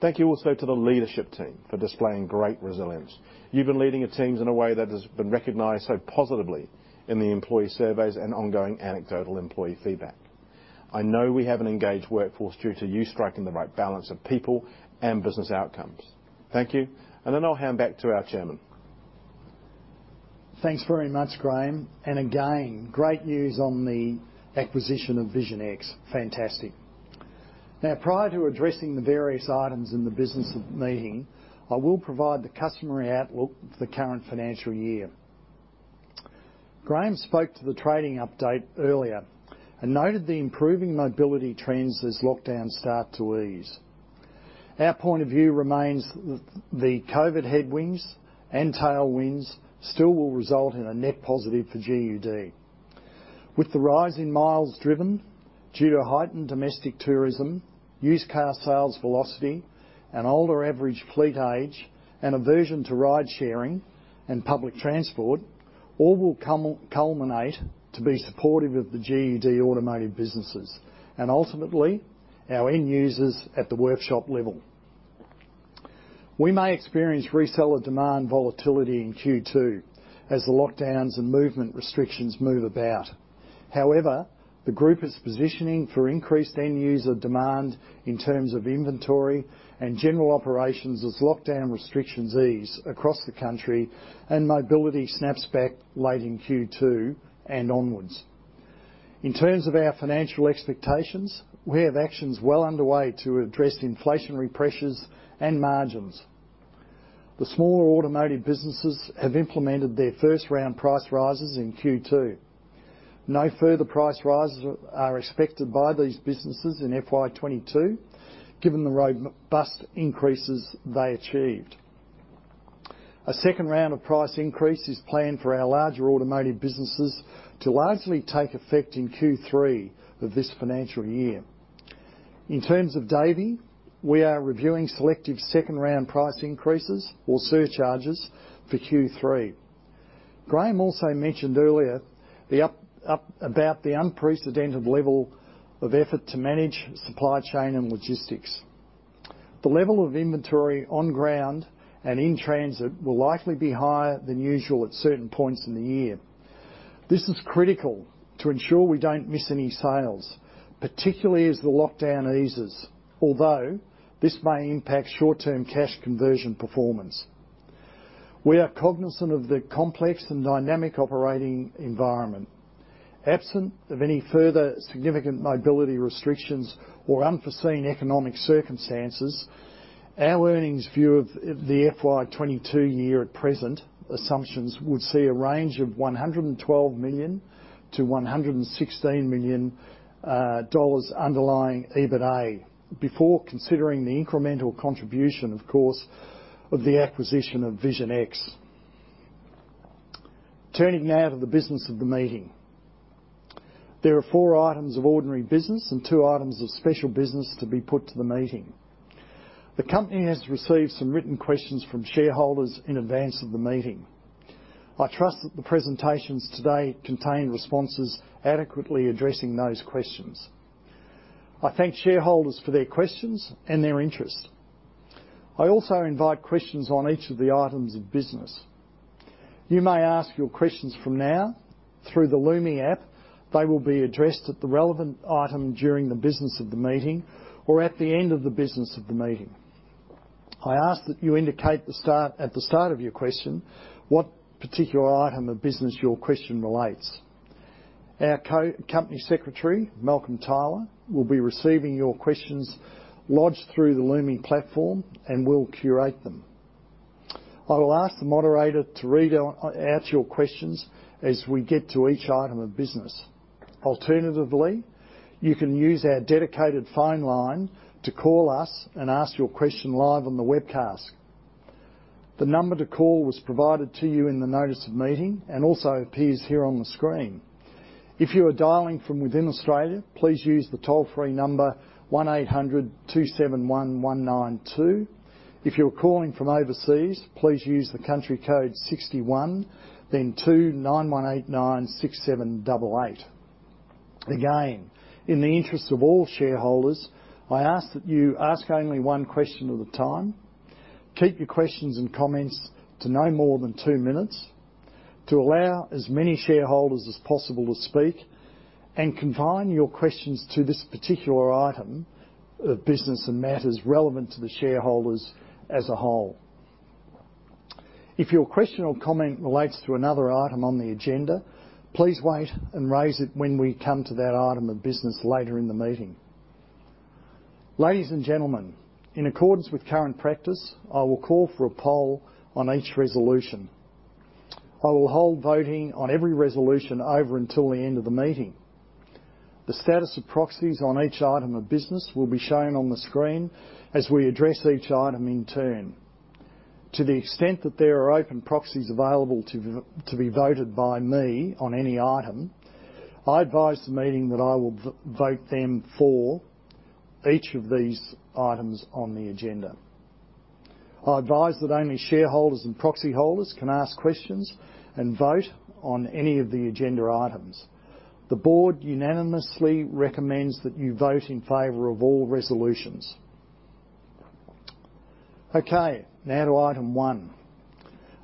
Thank you also to the leadership team for displaying great resilience. You've been leading your teams in a way that has been recognized so positively in the employee surveys and ongoing anecdotal employee feedback. I know we have an engaged workforce due to you striking the right balance of people and business outcomes. Thank you. Then I'll hand back to our Chairman. Thanks very much, Graeme. Again, great news on the acquisition of Vision X. Fantastic. Now, prior to addressing the various items in the Business of the Meeting, I will provide the customary outlook for the current financial year. Graeme spoke to the trading update earlier and noted the improving mobility trends as lockdowns start to ease. Our point of view remains the COVID headwinds and tailwinds still will result in a net positive for GUD. With the rise in miles driven due to heightened domestic tourism, used car sales velocity, and older average fleet age, and aversion to ridesharing and public transport, all will culminate to be supportive of the GUD automotive businesses and ultimately our end users at the workshop level. We may experience reseller demand volatility in Q2 as the lockdowns and movement restrictions move about. However, the group is positioning for increased end user demand in terms of inventory and general operations as lockdown restrictions ease across the country and mobility snaps back late in Q2 and onwards. In terms of our financial expectations, we have actions well underway to address inflationary pressures and margins. The smaller automotive businesses have implemented their first round price rises in Q2. No further price rises are expected by these businesses in FY 2022, given the robust increases they achieved. A second round of price increase is planned for our larger automotive businesses to largely take effect in Q3 of this financial year. In terms of Davey, we are reviewing selective second round price increases or surcharges for Q3. Graeme also mentioned earlier the update about the unprecedented level of effort to manage supply chain and logistics. The level of inventory on ground and in transit will likely be higher than usual at certain points in the year. This is critical to ensure we don't miss any sales, particularly as the lockdown eases, although this may impact short-term cash conversion performance. We are cognizant of the complex and dynamic operating environment. Absent of any further significant mobility restrictions or unforeseen economic circumstances, our earnings view of the FY 2022 year at present assumptions would see a range of 112 million-116 million dollars underlying EBITA, before considering the incremental contribution, of course, of the acquisition of Vision X. Turning now to the Business of the Meeting. There are four items of ordinary business and two items of special business to be put to the meeting. The company has received some written questions from shareholders in advance of the meeting. I trust that the presentations today contain responses adequately addressing those questions. I thank shareholders for their questions and their interest. I also invite questions on each of the items of business. You may ask your questions from now through the Lumi app. They will be addressed at the relevant item during the Business of the Meeting or at the end of the Business of the Meeting. I ask that you indicate at the start of your question what particular item of business your question relates. Our company secretary, Malcolm Tyler, will be receiving your questions lodged through the Lumi platform and will curate them. I will ask the moderator to read out your questions as we get to each item of business. Alternatively, you can use our dedicated phone line to call us and ask your question live on the webcast. The number to call was provided to you in the Notice of Meeting and also appears here on the screen. If you are dialing from within Australia, please use the toll-free number 1-800-271-192. If you're calling from overseas, please use the country code 61, then 2-9189-6788. Again, in the interest of all shareholders, I ask that you ask only one question at a time, keep your questions and comments to no more than two minutes to allow as many shareholders as possible to speak, and confine your questions to this particular item of business and matters relevant to the shareholders as a whole. If your question or comment relates to another item on the agenda, please wait and raise it when we come to that item of business later in the meeting. Ladies and gentlemen, in accordance with current practice, I will call for a poll on each resolution. I will hold voting on every resolution over until the end of the meeting. The status of proxies on each item of business will be shown on the screen as we address each item in turn. To the extent that there are open proxies available to be voted by me on any item, I advise the meeting that I will vote them for each of these items on the agenda. I advise that only shareholders and proxy holders can ask questions and vote on any of the agenda items. The Board unanimously recommends that you vote in favor of all resolutions. Okay, now to Item 1.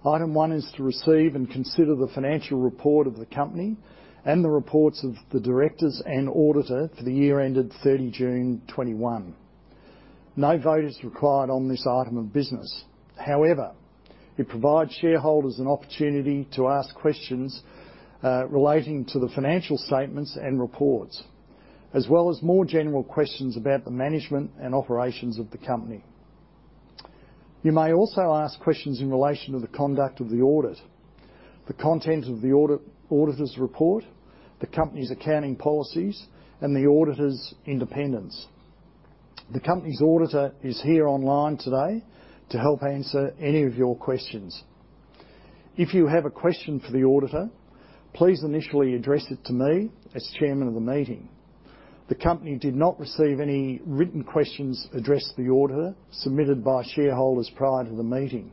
Item one is to receive and consider the financial report of the company and the reports of the Directors and Auditor for the year ended 30 June 2021. No vote is required on this item of business. However, it provides shareholders an opportunity to ask questions relating to the financial statements and reports, as well as more general questions about the management and operations of the company. You may also ask questions in relation to the conduct of the audit, the content of the Auditor's report, the company's accounting policies, and the Auditor's independence. The company's Auditor is here online today to help answer any of your questions. If you have a question for the Auditor, please initially address it to me as Chairman of the meeting. The company did not receive any written questions addressed to the Auditor submitted by shareholders prior to the meeting.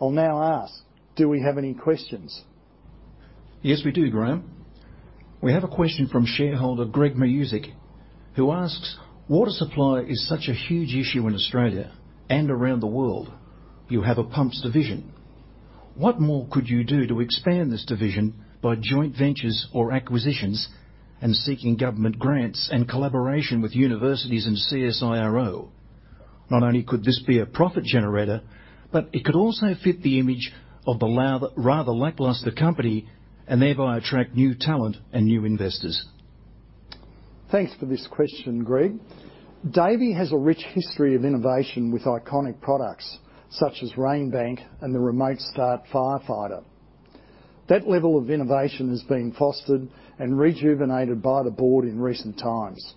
I'll now ask, do we have any questions? Yes, we do, Graeme. We have a question from shareholder Greg Musick, who asks, "Water supply is such a huge issue in Australia and around the world. You have a pumps division. What more could you do to expand this division by joint ventures or acquisitions and seeking government grants and collaboration with universities and CSIRO? Not only could this be a profit generator, but it could also lift the image of the proud, rather lackluster company and thereby attract new talent and new investors. Thanks for this question, Greg. Davey has a rich history of innovation with iconic products such as RainBank and the remote start Firefighter. That level of innovation has been fostered and rejuvenated by the Board in recent times.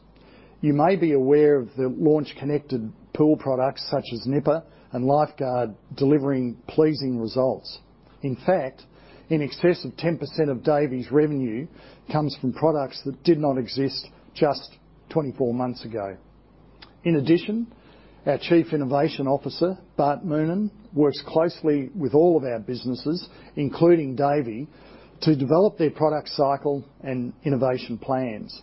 You may be aware of the launch of connected pool products such as Nipper and Lifeguard delivering pleasing results. In fact, in excess of 10% of Davey's revenue comes from products that did not exist just 24 months ago. In addition, our Chief Innovation Officer, Bart Moonen, works closely with all of our businesses, including Davey, to develop their product cycle and innovation plans.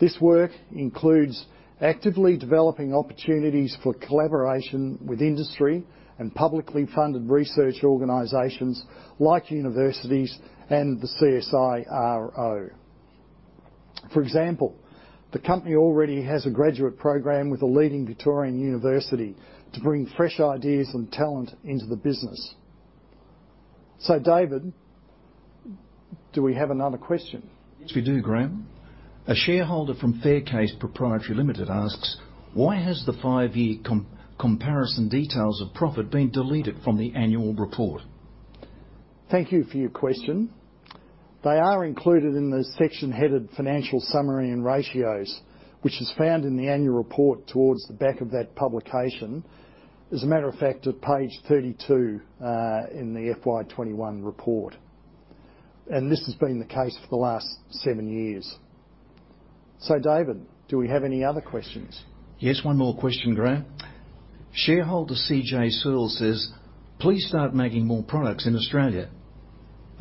This work includes actively developing opportunities for collaboration with industry and publicly funded research organizations like universities and the CSIRO. For example, the company already has a graduate program with a leading Victorian university to bring fresh ideas and talent into the business. David, do we have another question? Yes, we do, Graeme. A shareholder from Faircase Proprietary Limited asks, "Why has the five-year comparison details of profit been deleted from the Annual Report? Thank you for your question. They are included in the section headed Financial Summary and Ratios, which is found in the Annual Report towards the back of that publication. As a matter of fact, at page 32 in the FY 21 report. This has been the case for the last seven years. David, do we have any other questions? Yes, one more question, Graeme. Shareholder CJ Searle says, "Please start making more products in Australia.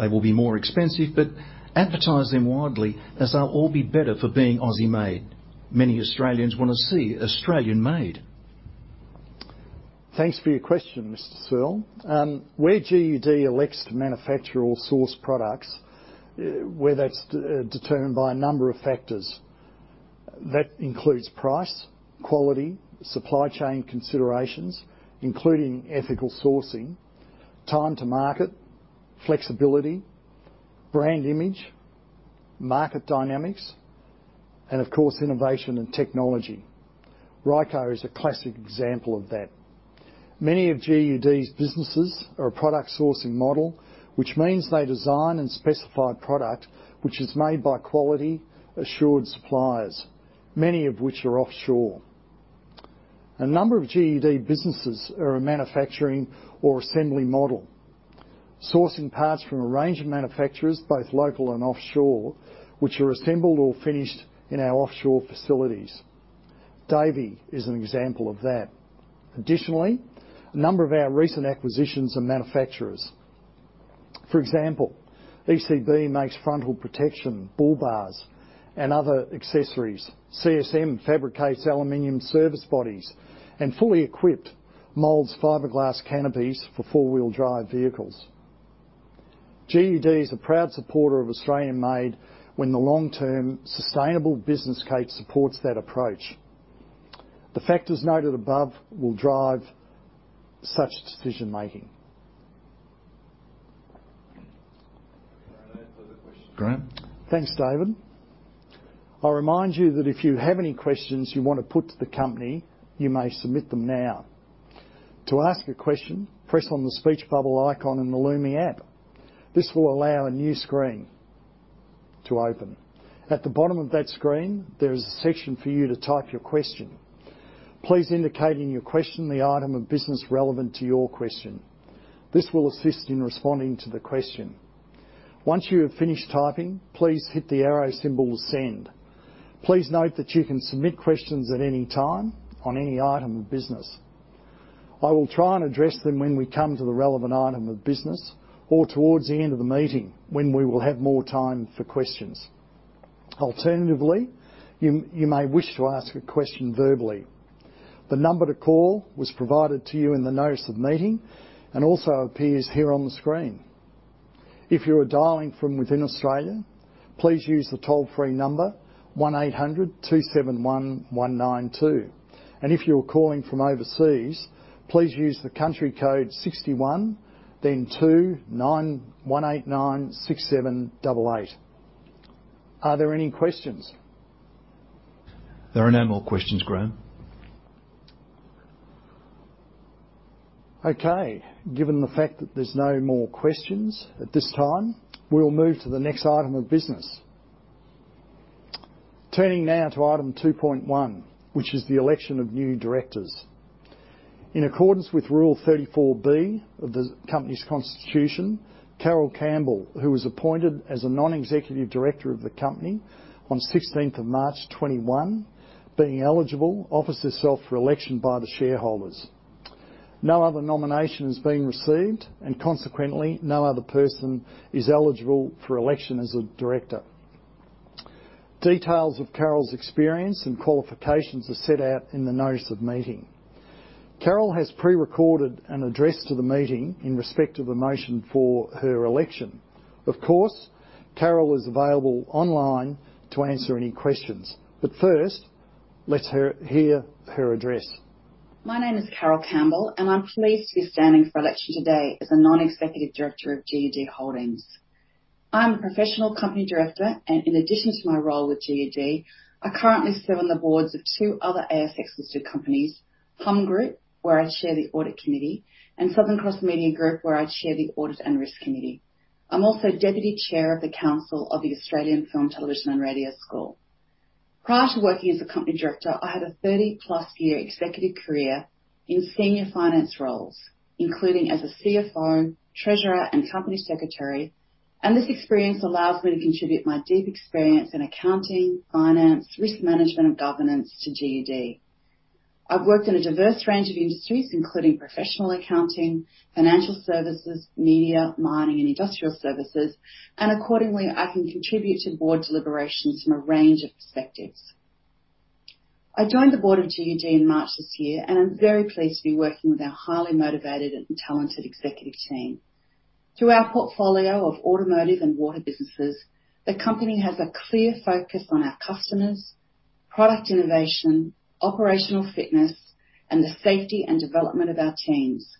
They will be more expensive but advertise them widely as they'll all be better for being Aussie made. Many Australians wanna see Australian made. Thanks for your question, Mr. Searle. Where GUD elects to manufacture all sourced products, that's determined by a number of factors. That includes price, quality, supply chain considerations, including ethical sourcing, time to market, flexibility, brand image, market dynamics, and of course, innovation and technology. Ryco Filters is a classic example of that. Many of GUD's businesses are a product sourcing model, which means they design and specify product which is made by quality assured suppliers, many of which are offshore. A number of GUD businesses are a manufacturing or assembly model, sourcing parts from a range of manufacturers, both local and offshore, which are assembled or finished in our offshore facilities. Davey is an example of that. Additionally, a number of our recent acquisitions are manufacturers. For example, ECB makes frontal protection, bull bars, and other accessories. CSM fabricates aluminium service bodies, and Fully Equipped molds fiberglass canopies for four-wheel drive vehicles. GUD is a proud supporter of Australian Made when the long-term sustainable business case supports that approach. The factors noted above will drive such decision-making. Thanks, David. I remind you that if you have any questions you wanna put to the company, you may submit them now. To ask a question, press on the speech bubble icon in the Lumi app. This will allow a new screen to open. At the bottom of that screen, there is a section for you to type your question. Please indicate in your question the item of business relevant to your question. This will assist in responding to the question. Once you have finished typing, please hit the arrow symbol to send. Please note that you can submit questions at any time on any item of business. I will try and address them when we come to the relevant item of business or towards the end of the meeting, when we will have more time for questions. Alternatively, you may wish to ask a question verbally. The number to call was provided to you in the notice of the meeting and also appears here on the screen. If you are dialing from within Australia, please use the toll-free number 1-800-271-192. If you are calling from overseas, please use the country code 61, then 2-9189-6788. Are there any questions? There are no more questions, Graeme. Okay. Given the fact that there's no more questions at this time, we'll move to the next item of business. Turning now to item 2.1, which is the election of new Directors. In accordance with Rule 34B of the company's constitution, Carole Campbell, who was appointed as a Non-Executive Director of the company on 16th of March 2021, being eligible, offers herself for election by the shareholders. No other nomination has been received, and consequently, no other person is eligible for election as a Director. Details of Carole's experience and qualifications are set out in the Notice of Meeting. Carole has pre-recorded an address to the meeting in respect of the motion for her election. Of course, Carole is available online to answer any questions, but first, let's hear her address. My name is Carole Campbell, and I'm pleased to be standing for election today as a Non-Executive Director of GUD Holdings. I'm a professional Company Director, and in addition to my role with GUD, I currently serve on the Boards of two other ASX-listed companies, Humm Group, where I chair the audit committee, and Southern Cross Media Group, where I chair the audit and risk committee. I'm also deputy chair of the Council of the Australian Film, Television and Radio School. Prior to working as a Company Director, I had a 30-plus year executive career in senior finance roles, including as a CFO, Treasurer, and Company Secretary. This experience allows me to contribute my deep experience in accounting, finance, risk management, and governance to GUD. I've worked in a diverse range of industries, including professional accounting, financial services, media, mining, and industrial services, and accordingly, I can contribute to Board deliberations from a range of perspectives. I joined the Board of GUD in March this year, and I'm very pleased to be working with our highly motivated and talented executive team. Through our portfolio of automotive and water businesses, the company has a clear focus on our customers, product innovation, operational fitness, and the safety and development of our teams,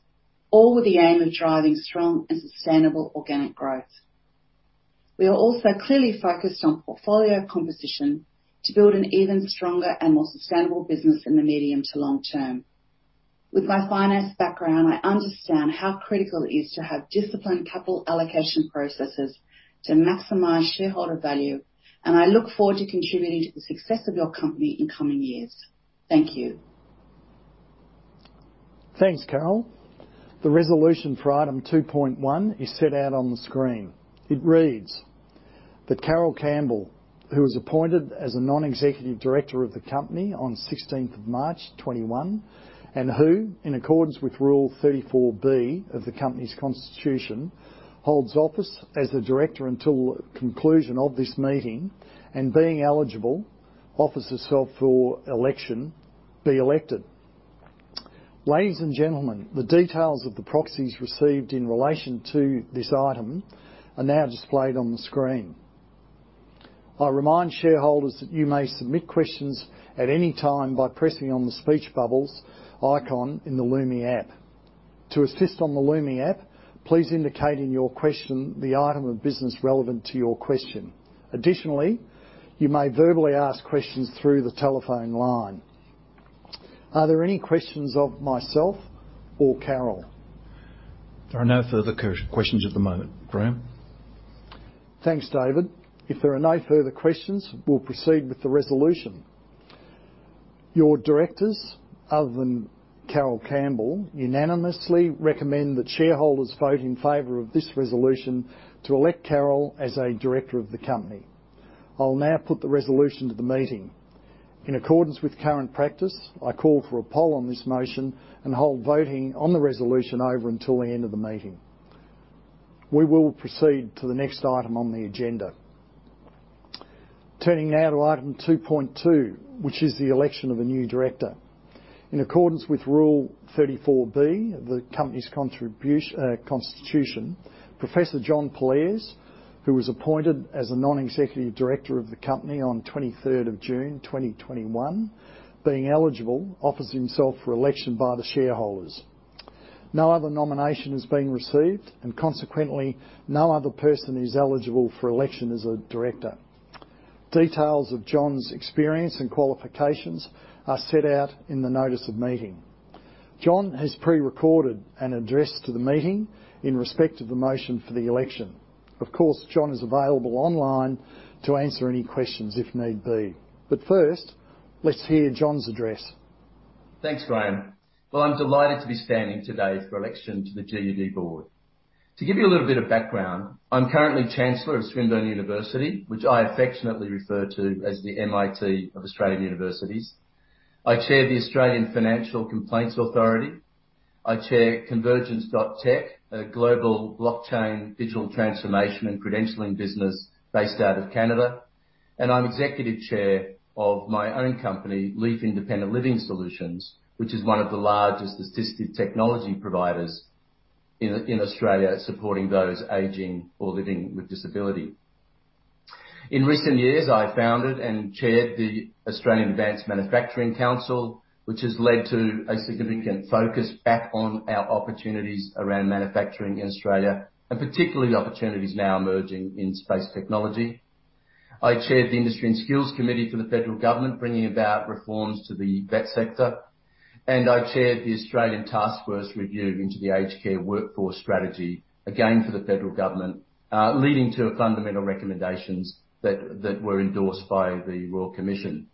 all with the aim of driving strong and sustainable organic growth. We are also clearly focused on portfolio composition to build an even stronger and more sustainable business in the medium to long term. With my finance background, I understand how critical it is to have disciplined capital allocation processes to maximize shareholder value, and I look forward to contributing to the success of your company in coming years. Thank you. Thanks, Carole. The resolution for Item 2.1 is set out on the screen. It reads that Carole Campbell, who was appointed as a Non-Executive Director of the company on 16th of March 2021, and who, in accordance with Rule 34B of the company's constitution, holds office as a Director until conclusion of this meeting, and being eligible, offers herself for election be elected. Ladies and gentlemen, the details of the proxies received in relation to this item are now displayed on the screen. I remind shareholders that you may submit questions at any time by pressing on the speech bubbles icon in the Lumi app. To assist on the Lumi app, please indicate in your question the item of business relevant to your question. Additionally, you may verbally ask questions through the telephone line. Are there any questions of myself or Carole? There are no further questions at the moment, Graeme. Thanks, David. If there are no further questions, we'll proceed with the resolution. Your Directors, other than Carole Campbell, unanimously recommend that shareholders vote in favor of this resolution to elect Carole as a Director of the company. I'll now put the resolution to the meeting. In accordance with current practice, I call for a poll on this motion and hold voting on the resolution over until the end of the meeting. We will proceed to the next item on the agenda. Turning now to Item 2.2, which is the election of a new Director. In accordance with Rule 34B of the company's constitution, Professor John Pollaers, who was appointed as a Non-Executive Director of the company on 23rd of June 2021, being eligible, offers himself for election by the shareholders. No other nomination has been received, and consequently, no other person is eligible for election as a Director. Details of John's experience and qualifications are set out in the Notice of Meeting. John has pre-recorded an address to the meeting in respect of the motion for the election. Of course, John is available online to answer any questions if need be. First, let's hear John's address. Thanks, Graeme. Well, I'm delighted to be standing today for election to the GUD Board. To give you a little bit of background, I'm currently Chancellor of Swinburne University, which I affectionately refer to as the MIT of Australian universities. I chair the Australian Financial Complaints Authority. I chair Convergence.Tech, a global blockchain digital transformation and credentialing business based out of Canada. I'm Executive Chair of my own company, Leef Independent Living Solutions, which is one of the largest assisted technology providers in Australia, supporting those aging or living with disability. In recent years, I founded and chaired the Australian Advanced Manufacturing Council, which has led to a significant focus back on our opportunities around manufacturing in Australia, and particularly the opportunities now emerging in space technology. I chaired the Industry and Skills Committee for the federal government, bringing about reforms to the VET sector. I chaired the Australian Taskforce Review into the Aged Care Workforce Strategy, again, for the federal government, leading to fundamental recommendations that were endorsed by the Royal Commission.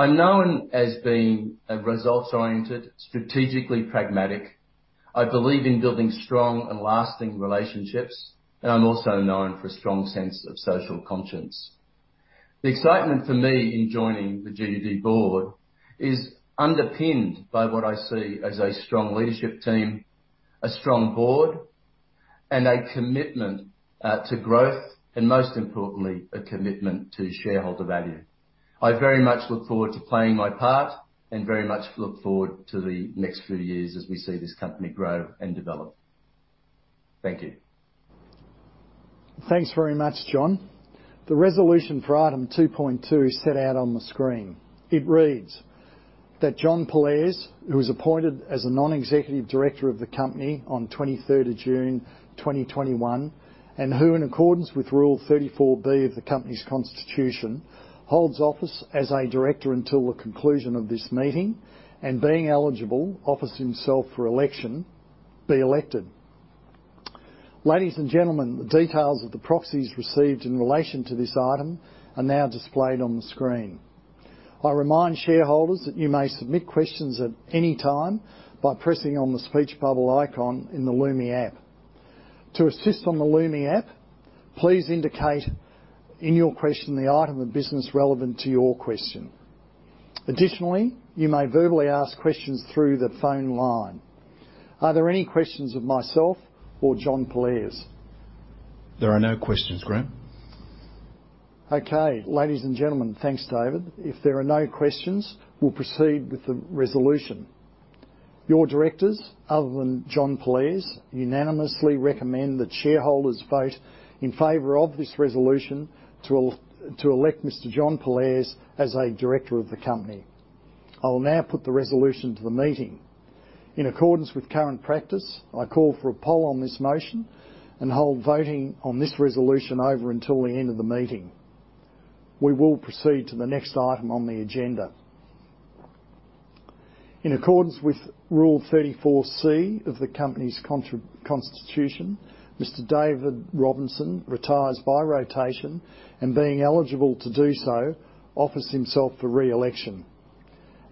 I'm known as being results-oriented, strategically pragmatic. I believe in building strong and lasting relationships, and I'm also known for a strong sense of social conscience. The excitement for me in joining the GUD Board is underpinned by what I see as a strong leadership team, a strong Board, and a commitment to growth, and most importantly, a commitment to shareholder value. I very much look forward to playing my part and very much look forward to the next few years as we see this company grow and develop. Thank you. Thanks very much, John. The resolution for Item 2.2 is set out on the screen. It reads that John Pollaers, who was appointed as a Non-Executive Director of the company on 23rd of June 2021, and who, in accordance with Rule 34B of the company's constitution, holds office as a Director until the conclusion of this meeting, and being eligible, offers himself for election, be elected. Ladies and gentlemen, the details of the proxies received in relation to this item are now displayed on the screen. I remind shareholders that you may submit questions at any time by pressing on the speech bubble icon in the Lumi app. To assist on the Lumi app, please indicate in your question the item of business relevant to your question. Additionally, you may verbally ask questions through the phone line. Are there any questions of myself or John Pollaers? There are no questions, Graeme. Okay. Ladies and gentlemen. Thanks, David. If there are no questions, we'll proceed with the resolution. Your Directors, other than John Pollaers, unanimously recommend that shareholders vote in favor of this resolution to elect Mr. John Pollaers as a Director of the company. I will now put the resolution to the meeting. In accordance with current practice, I call for a poll on this motion and hold voting on this resolution over until the end of the meeting. We will proceed to the next item on the agenda. In accordance with Rule 34C of the company's constitution, Mr. David Robinson retires by rotation and being eligible to do so, offers himself for re-election.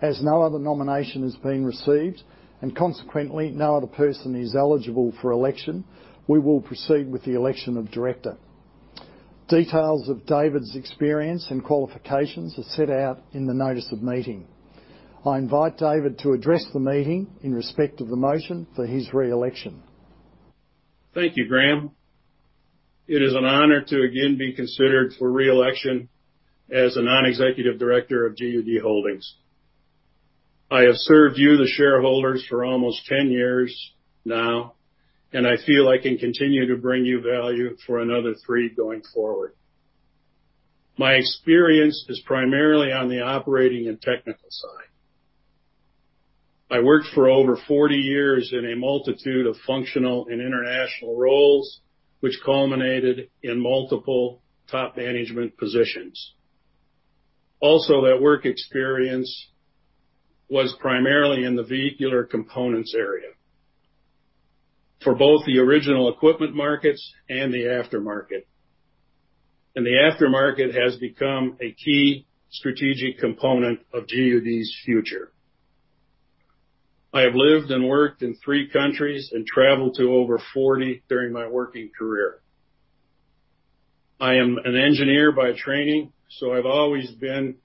As no other nomination has been received and consequently, no other person is eligible for election, we will proceed with the election of Director. Details of David's experience and qualifications are set out in the Notice of Meeting. I invite David to address the meeting in respect of the motion for his re-election. Thank you, Graeme. It is an honor to again be considered for re-election as a Non-Executive Director of GUD Holdings. I have served you, the shareholders, for almost 10 years now, and I feel I can continue to bring you value for another three going forward. My experience is primarily on the operating and technical side. I worked for over 40 years in a multitude of functional and international roles, which culminated in multiple top management positions. Also, that work experience was primarily in the vehicular components area for both the original equipment markets and the aftermarket. The aftermarket has become a key strategic component of GUD's future. I have lived and worked in three countries and travelled to over 40 during my working career. I am an engineer by training, so I've always been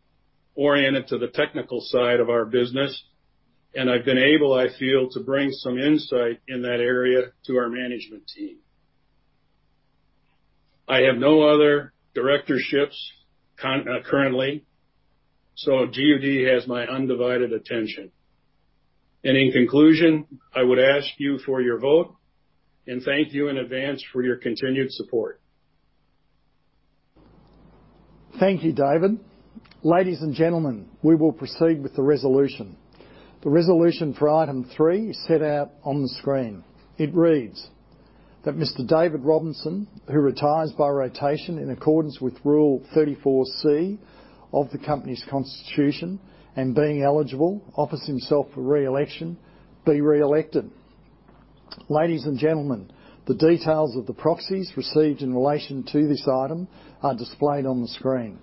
oriented to the technical side of our business, and I've been able, I feel, to bring some insight in that area to our management team. I have no other Directorships currently, so GUD has my undivided attention. In conclusion, I would ask you for your vote, and thank you in advance for your continued support. Thank you, David. Ladies and gentlemen, we will proceed with the resolution. The resolution for Item 3 is set out on the screen. It reads that Mr. David Robinson, who retires by rotation in accordance with Rule 34C of the company's constitution and being eligible offers himself for re-election, be re-elected. Ladies and gentlemen, the details of the proxies received in relation to this item are displayed on the screen.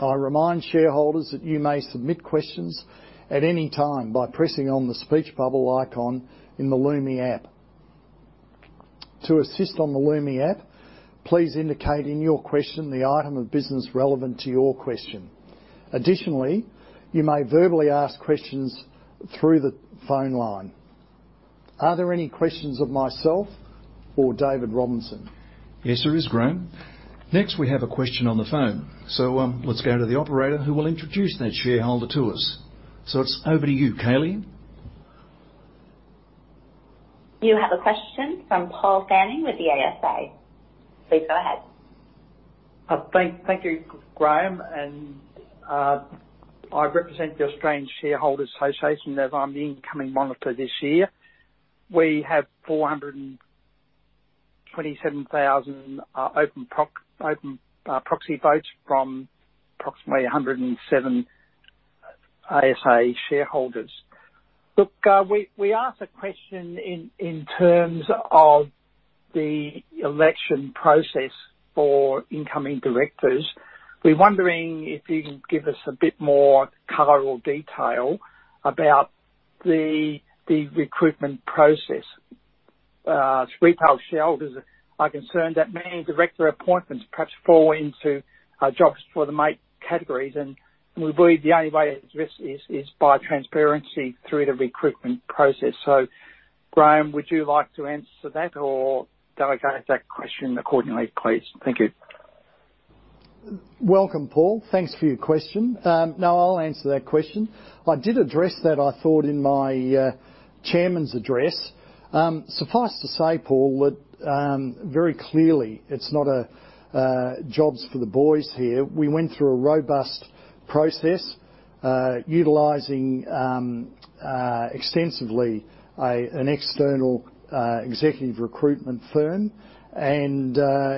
I remind shareholders that you may submit questions at any time by pressing on the speech bubble icon in the Lumi app. To assist on the Lumi app, please indicate in your question the item of business relevant to your question. Additionally, you may verbally ask questions through the phone line. Are there any questions of myself or David Robinson? Yes, there is, Graeme. Next, we have a question on the phone. Let's go to the operator who will introduce that shareholder to us. It's over to you, Kaylee. You have a question from Paul Fanning with the ASA. Please go ahead. Thank you, Graeme. I represent the Australian Shareholders' Association, as I'm the incoming monitor this year. We have 427,000 open proxy votes from approximately 107 ASA shareholders. Look, we asked a question in terms of the election process for incoming Directors. We're wondering if you can give us a bit more color or detail about the recruitment process. Retail shareholders are concerned that many Director appointments perhaps fall into jobs for the mate categories. We believe the only way to address this is by transparency through the recruitment process. Graeme, would you like to answer that or delegate that question accordingly, please? Thank you. Welcome, Paul. Thanks for your question. No, I'll answer that question. I did address that, I thought, in my Chairman's address. Suffice to say, Paul, that very clearly it's not a jobs for the boys here. We went through a robust process, utilizing extensively an external executive recruitment firm.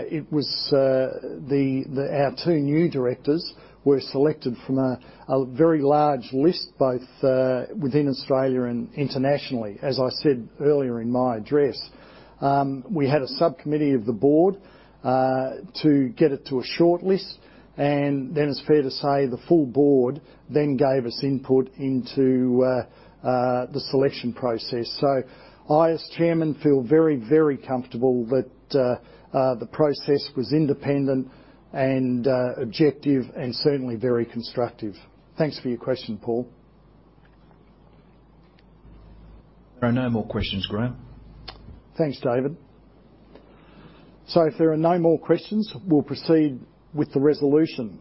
It was our two new Directors were selected from a very large list, both within Australia and internationally. As I said earlier in my address, we had a subcommittee of the Board to get it to a shortlist, and then it's fair to say the full Board gave us input into the selection process. I, as Chairman, feel very comfortable that the process was independent and objective and certainly very constructive. Thanks for your question, Paul. There are no more questions, Graeme. Thanks, David. If there are no more questions, we'll proceed with the resolution.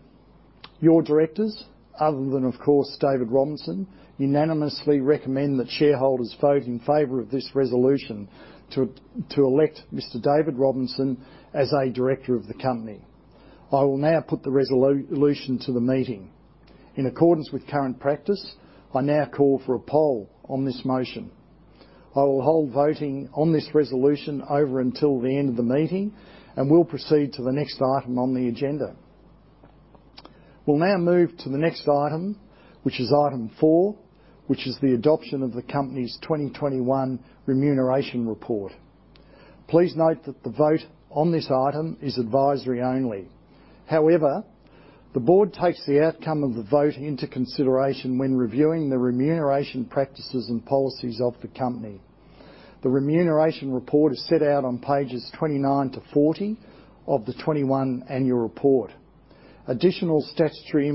Your Directors, other than of course David Robinson, unanimously recommend that shareholders vote in favour of this resolution to elect Mr. David Robinson as a Director of the company. I will now put the resolution to the meeting. In accordance with current practice, I now call for a poll on this motion. I will hold voting on this resolution over until the end of the meeting, and we'll proceed to the next item on the agenda. We'll now move to the next item, which is Item 4, which is the adoption of the company's 2021 remuneration report. Please note that the vote on this item is advisory only. However, the Board takes the outcome of the voting into consideration when reviewing the remuneration practices and policies of the company. The remuneration report is set out on pages 29 to 40 of the 2021 Annual Report. Additional statutory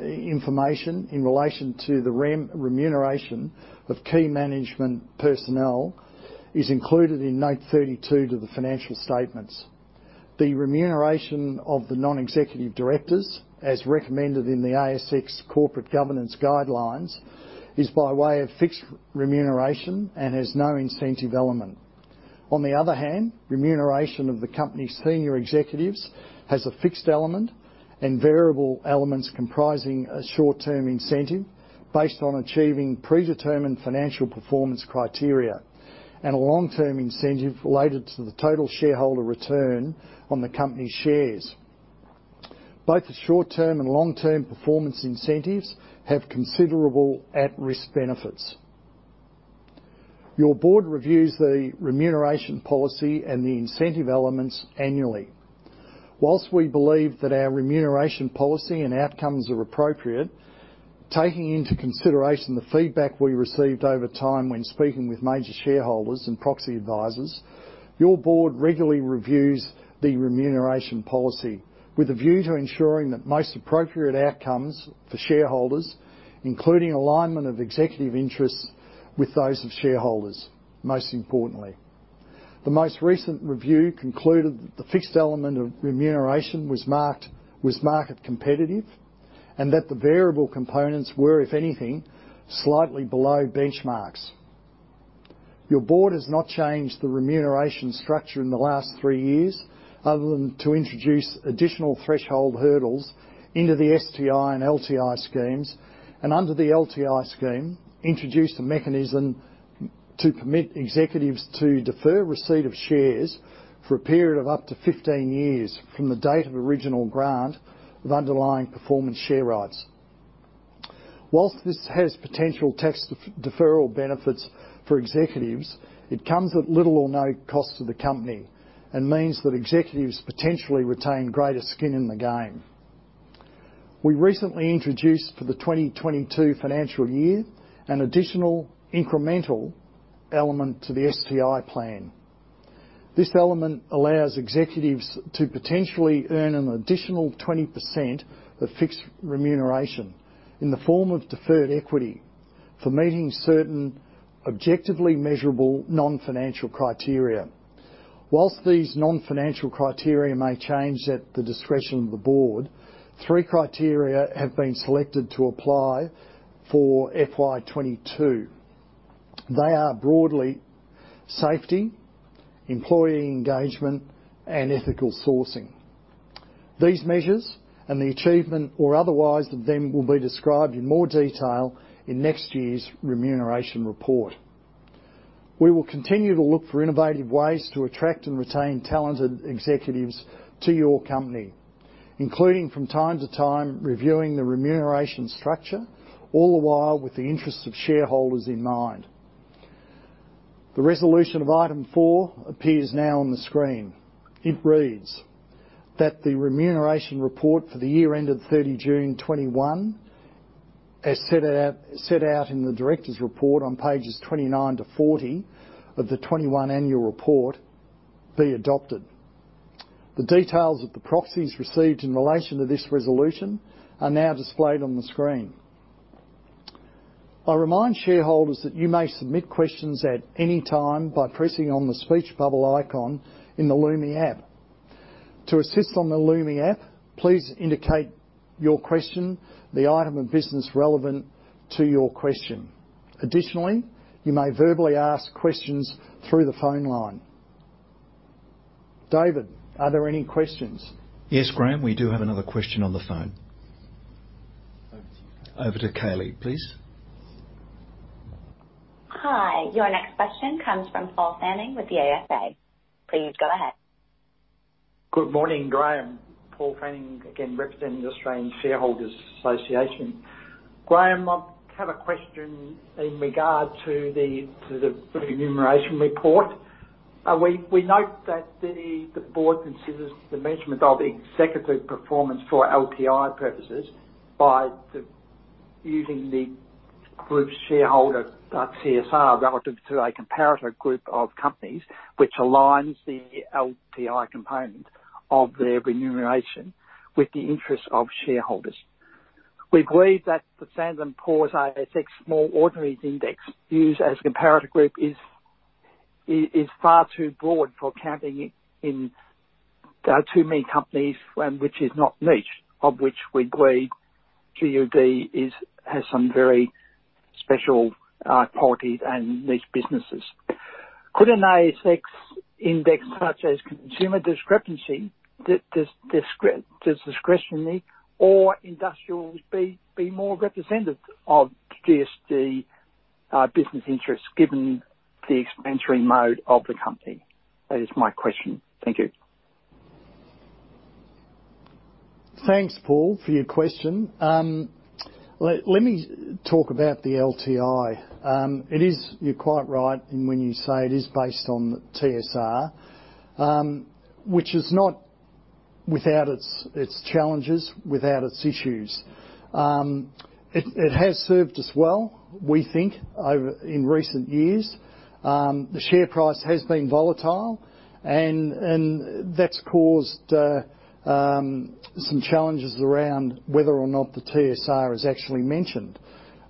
information in relation to the remuneration of key management personnel is included in note 32 to the financial statements. The remuneration of the Non-Executive Directors, as recommended in the ASX Corporate Governance Principles and Recommendations, is by way of fixed remuneration and has no incentive element. On the other hand, remuneration of the company's senior executives has a fixed element and variable elements comprising a short-term incentive based on achieving predetermined financial performance criteria and a long-term incentive related to the total shareholder return on the company's shares. Both the short-term and long-term performance incentives have considerable at-risk benefits. Your Board reviews the remuneration policy and the incentive elements annually. While we believe that our remuneration policy and outcomes are appropriate, taking into consideration the feedback we received over time when speaking with major shareholders and proxy advisors, your Board regularly reviews the remuneration policy with a view to ensuring the most appropriate outcomes for shareholders, including alignment of executive interests with those of shareholders, most importantly. The most recent review concluded that the fixed element of remuneration was market competitive and that the variable components were, if anything, slightly below benchmarks. Your Board has not changed the remuneration structure in the last three years other than to introduce additional threshold hurdles into the STI and LTI schemes, and under the LTI scheme, introduced a mechanism to permit executives to defer receipt of shares for a period of up to 15 years from the date of original grant of underlying performance share rights. While this has potential tax deferral benefits for executives, it comes at little or no cost to the company and means that executives potentially retain greater skin in the game. We recently introduced for the 2022 financial year an additional incremental element to the STI plan. This element allows executives to potentially earn an additional 20% of fixed remuneration in the form of deferred equity for meeting certain objectively measurable non-financial criteria. While these non-financial criteria may change at the discretion of the Board, three criteria have been selected to apply for FY 2022. They are broadly safety, employee engagement, and ethical sourcing. These measures and the achievement or otherwise of them will be described in more detail in next year's remuneration report. We will continue to look for innovative ways to attract and retain talented executives to your company, including from time to time reviewing the remuneration structure, all the while with the interests of shareholders in mind. The resolution of item four appears now on the screen. It reads that the remuneration report for the year ended 30 June 2021, as set out in the Director's report on pages 29-40 of the 2021 Annual Report be adopted. The details of the proxies received in relation to this resolution are now displayed on the screen. I remind shareholders that you may submit questions at any time by pressing on the speech bubble icon in the Lumi app. To assist on the Lumi app, please indicate your question, the item of business relevant to your question. Additionally, you may verbally ask questions through the phone line. David, are there any questions? Yes, Graeme, we do have another question on the phone. Over to Kaylee, please. Hi. Your next question comes from Paul Fanning with the ASA. Please go ahead. Good morning, Graeme. Paul Fanning again, representing Australian Shareholders' Association. Graeme, I have a question in regard to the remuneration report. We note that the Board considers the measurement of executive performance for LTI purposes by using the group shareholder TSR relative to a comparator group of companies which aligns the LTI component of their remuneration with the interests of shareholders. We believe that the S&P/ASX Small Ordinaries Index used as a comparator group is far too broad for counting in too many companies and which is not niche, of which we agree GUD has some very special parties and niche businesses. Could an ASX index such as Consumer Discretionary or industrials be more representative of GUD business interests given the expansionary mode of the company? That is my question. Thank you. Thanks, Paul, for your question. Let me talk about the LTI. It is, you're quite right when you say it is based on TSR, which is not without its challenges, without its issues. It has served us well, we think, over recent years. The share price has been volatile and that's caused some challenges around whether or not the TSR is actually mentioned.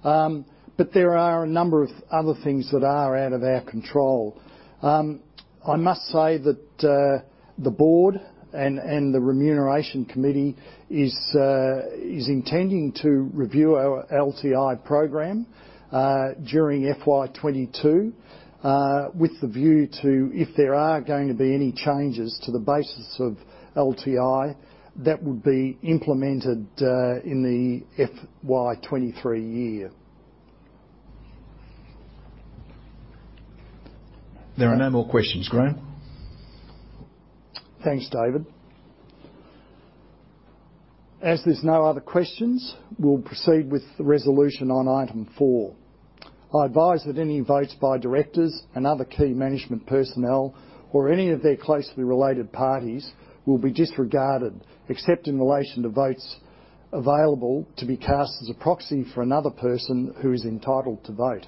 But there are a number of other things that are out of our control. I must say that the Board and the Remuneration Committee is intending to review our LTI program during FY 2022, with the view to if there are going to be any changes to the basis of LTI that would be implemented in the FY 2023 year. There are no more questions, Graeme. Thanks, David. As there's no other questions, we'll proceed with the resolution on Item 4. I advise that any votes by Directors and other key management personnel or any of their closely related parties will be disregarded except in relation to votes available to be cast as a proxy for another person who is entitled to vote.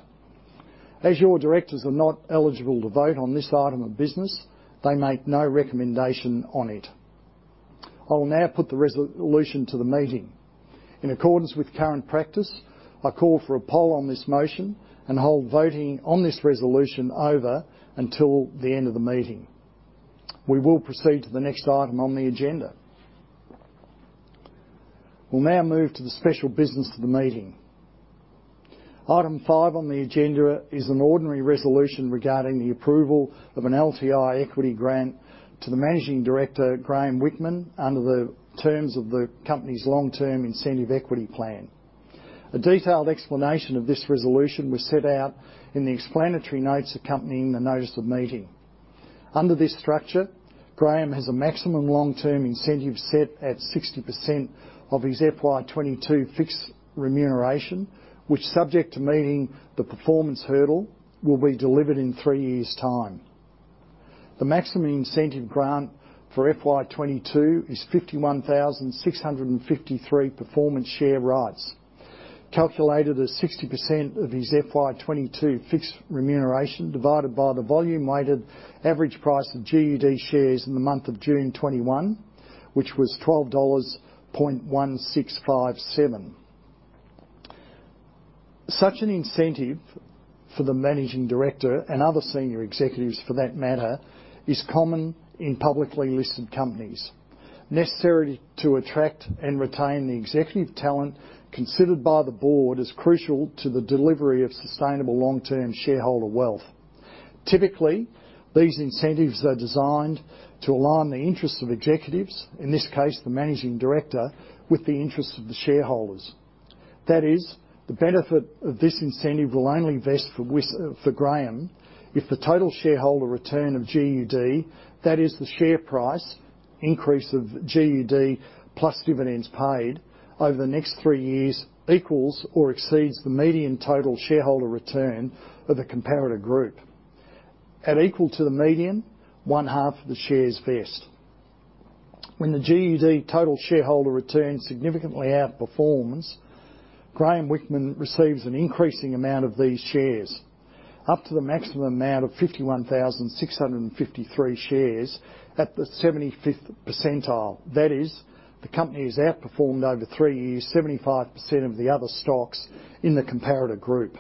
As your Directors are not eligible to vote on this item of business, they make no recommendation on it. I will now put the resolution to the meeting. In accordance with current practice, I call for a poll on this motion and hold voting on this resolution over until the end of the meeting. We will proceed to the next item on the agenda. We'll now move to the special Business of the Meeting. Item five on the agenda is an ordinary resolution regarding the approval of an LTI equity grant to the Managing Director, Graeme Whickman, under the terms of the company's long-term incentive equity plan. A detailed explanation of this resolution was set out in the explanatory notes accompanying the Notice of Meeting. Under this structure, Graeme has a maximum long-term incentive set at 60% of his FY 2022 fixed remuneration, which subject to meeting the performance hurdle, will be delivered in three years' time. The maximum incentive grant for FY 2022 is 51,653 performance share rights, calculated as 60% of his FY 2022 fixed remuneration, divided by the volume-weighted average price of GUD shares in the month of June 2021, which was 12.1657 dollars. Such an incentive for the Managing Director and other senior executives for that matter is common in publicly listed companies, necessary to attract and retain the executive talent considered by the Board as crucial to the delivery of sustainable long-term shareholder wealth. Typically, these incentives are designed to align the interests of executives, in this case, the Managing Director, with the interests of the shareholders. That is, the benefit of this incentive will only vest for Graeme if the total shareholder return of GUD, that is the share price increase of GUD, plus dividends paid over the next three years, equals or exceeds the median total shareholder return of the comparator group. At equal to the median, one-half of the shares vest. When the GUD total shareholder return significantly outperforms, Graeme Whickman receives an increasing amount of these shares up to the maximum amount of 51,653 shares at the 75th percentile. That is, the company has outperformed over three years 75% of the other stocks in the comparator group.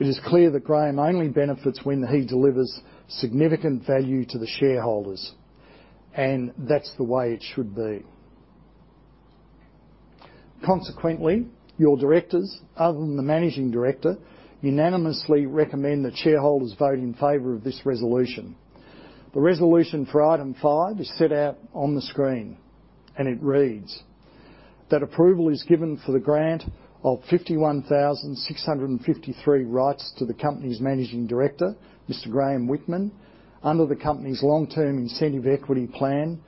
It is clear that Graeme only benefits when he delivers significant value to the shareholders. That's the way it should be. Consequently, your Directors, other than the Managing Director, unanimously recommend that shareholders vote in favor of this resolution. The resolution for item five is set out on the screen, and it reads that approval is given for the grant of 51,653 rights to the company's Managing Director, Mr. Graeme Whickman, under the company's Long Term Incentive Equity Plan,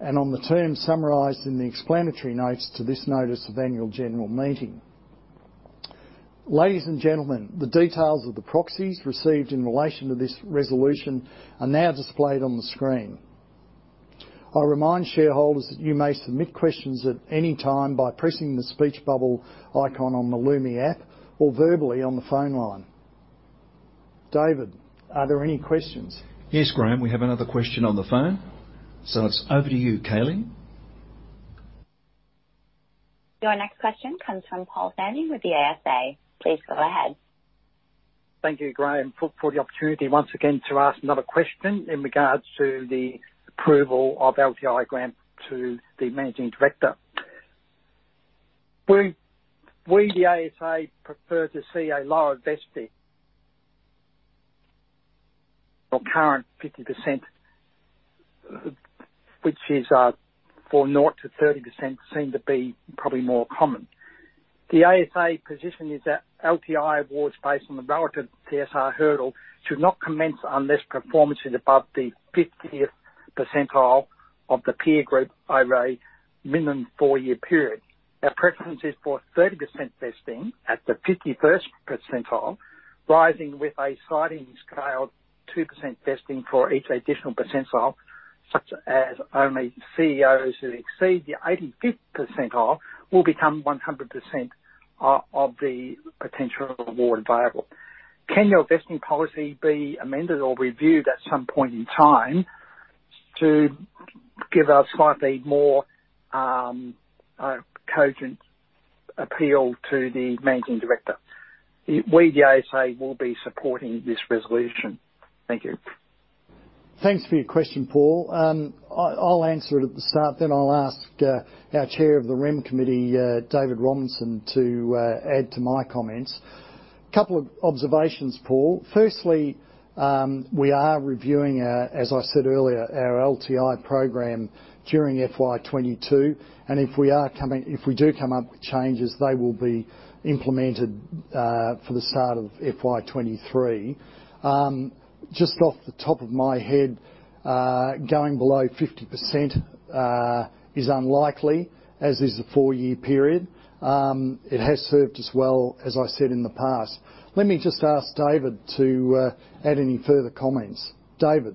and on the terms summarized in the explanatory notes to this notice of annual general meeting. Ladies and gentlemen, the details of the proxies received in relation to this resolution are now displayed on the screen. I remind shareholders that you may submit questions at any time by pressing the speech bubble icon on the Lumi app or verbally on the phone line. David, are there any questions? Yes, Graeme, we have another question on the phone. It's over to you, Kaylee. Your next question comes from Paul Fanning with the ASA. Please go ahead. Thank you, Graeme, for the opportunity once again to ask another question in regards to the approval of LTI grant to the managing Director. We, the ASA, prefer to see a lower vesting. Your current 50%, which is for nought to 30% seem to be probably more common. The ASA position is that LTI awards based on the relative TSR hurdle should not commence unless performance is above the 50th percentile of the peer group over a minimum four-year period. Our preference is for 30% vesting at the 51st percentile, rising with a sliding scale of 2% vesting for each additional percentile, such as only CEOs who exceed the 85th percentile will become 100% of the potential award available. Can your vesting policy be amended or reviewed at some point in time to give a slightly more cogent appeal to the managing Director? We, the ASA, will be supporting this resolution. Thank you. Thanks for your question, Paul. I'll answer it at the start, then I'll ask our Chair of the Remuneration Committee, David Robinson to add to my comments. Couple of observations, Paul. Firstly, we are reviewing our, as I said earlier, our LTI program during FY 2022, and if we do come up with changes, they will be implemented for the start of FY 2023. Just off the top of my head, going below 50% is unlikely, as is the four-year period. It has served us well, as I said in the past. Let me just ask David to add any further comments. David?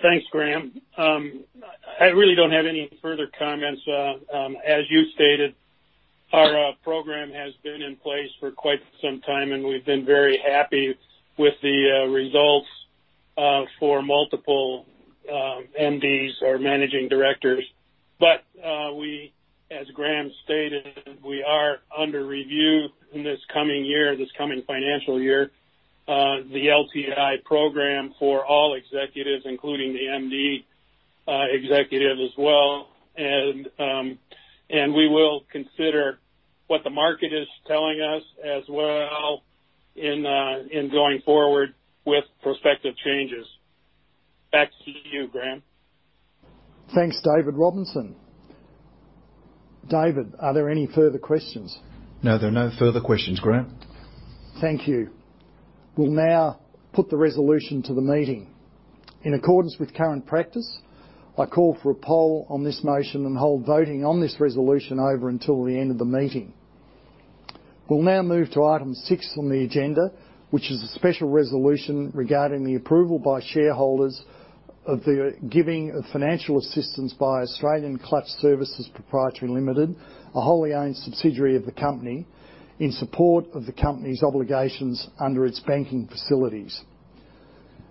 Thanks, Graeme. I really don't have any further comments. As you stated, our program has been in place for quite some time, and we've been very happy with the results for multiple MDs or managing Directors. As Graeme stated, we are under review in this coming year, this coming financial year, the LTI program for all executives, including the MD, executive as well. We will consider what the market is telling us as well in going forward with prospective changes. Back to you, Graeme. Thanks, David Robinson. David, are there any further questions? No, there are no further questions, Graeme. Thank you. We'll now put the resolution to the meeting. In accordance with current practice, I call for a poll on this motion and hold voting on this resolution over until the end of the meeting. We'll now move to item six on the agenda, which is a special resolution regarding the approval by shareholders of the giving of financial assistance by Australian Clutch Services Proprietary Limited, a wholly owned subsidiary of the company, in support of the company's obligations under its banking facilities.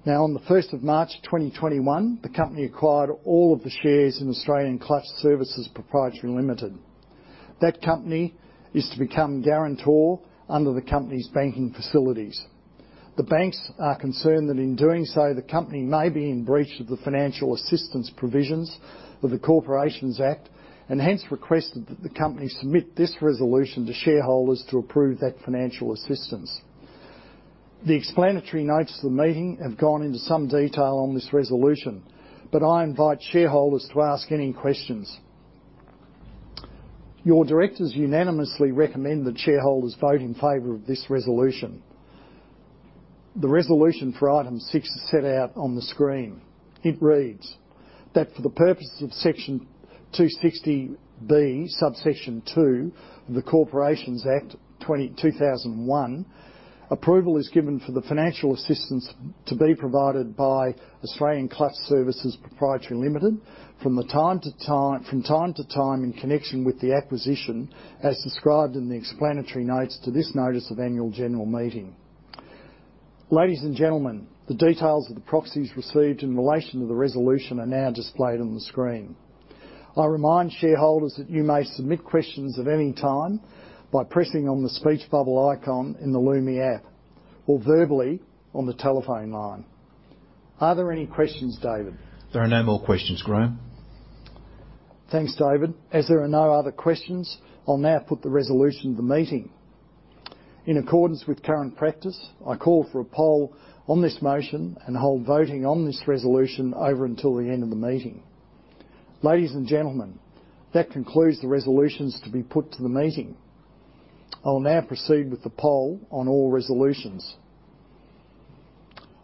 Now, on the first of March 2021, the company acquired all of the shares in Australian Clutch Services Proprietary Limited. That company is to become guarantor under the company's banking facilities. The banks are concerned that in doing so, the company may be in breach of the financial assistance provisions of the Corporations Act and hence requested that the company submit this resolution to shareholders to approve that financial assistance. The explanatory notes to the meeting have gone into some detail on this resolution, but I invite shareholders to ask any questions. Your Directors unanimously recommend that shareholders vote in favor of this resolution. The resolution for Item 6 is set out on the screen. It reads that for the purposes of Section 260B, subsection 2 of the Corporations Act 2001, approval is given for the financial assistance to be provided by Australian Clutch Services Proprietary Limited from time to time in connection with the acquisition as described in the explanatory notes to this notice of annual general meeting. Ladies and gentlemen, the details of the proxies received in relation to the resolution are now displayed on the screen. I remind shareholders that you may submit questions at any time by pressing on the speech bubble icon in the Lumi app or verbally on the telephone line. Are there any questions, David? There are no more questions, Graeme. Thanks, David. As there are no other questions, I'll now put the resolution to the meeting. In accordance with current practice, I call for a poll on this motion and hold voting on this resolution over until the end of the meeting. Ladies and gentlemen, that concludes the resolutions to be put to the meeting. I will now proceed with the poll on all resolutions.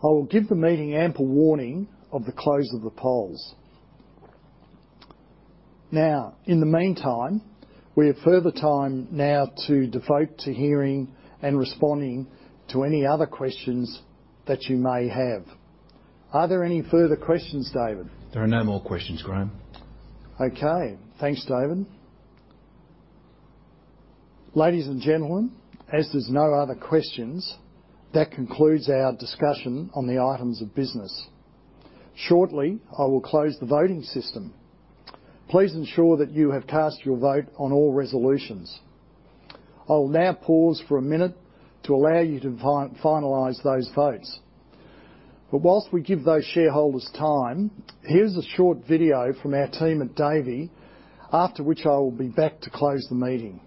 I will give the meeting ample warning of the close of the polls. Now, in the meantime, we have further time now to devote to hearing and responding to any other questions that you may have. Are there any further questions, David? There are no more questions, Graeme. Okay. Thanks, David. Ladies and gentlemen, as there's no other questions, that concludes our discussion on the items of business. Shortly, I will close the voting system. Please ensure that you have cast your vote on all resolutions. I will now pause for a minute to allow you to finalize those votes. Whilst we give those shareholders time, here's a short video from our team at Davey, after which I will be back to close the meeting.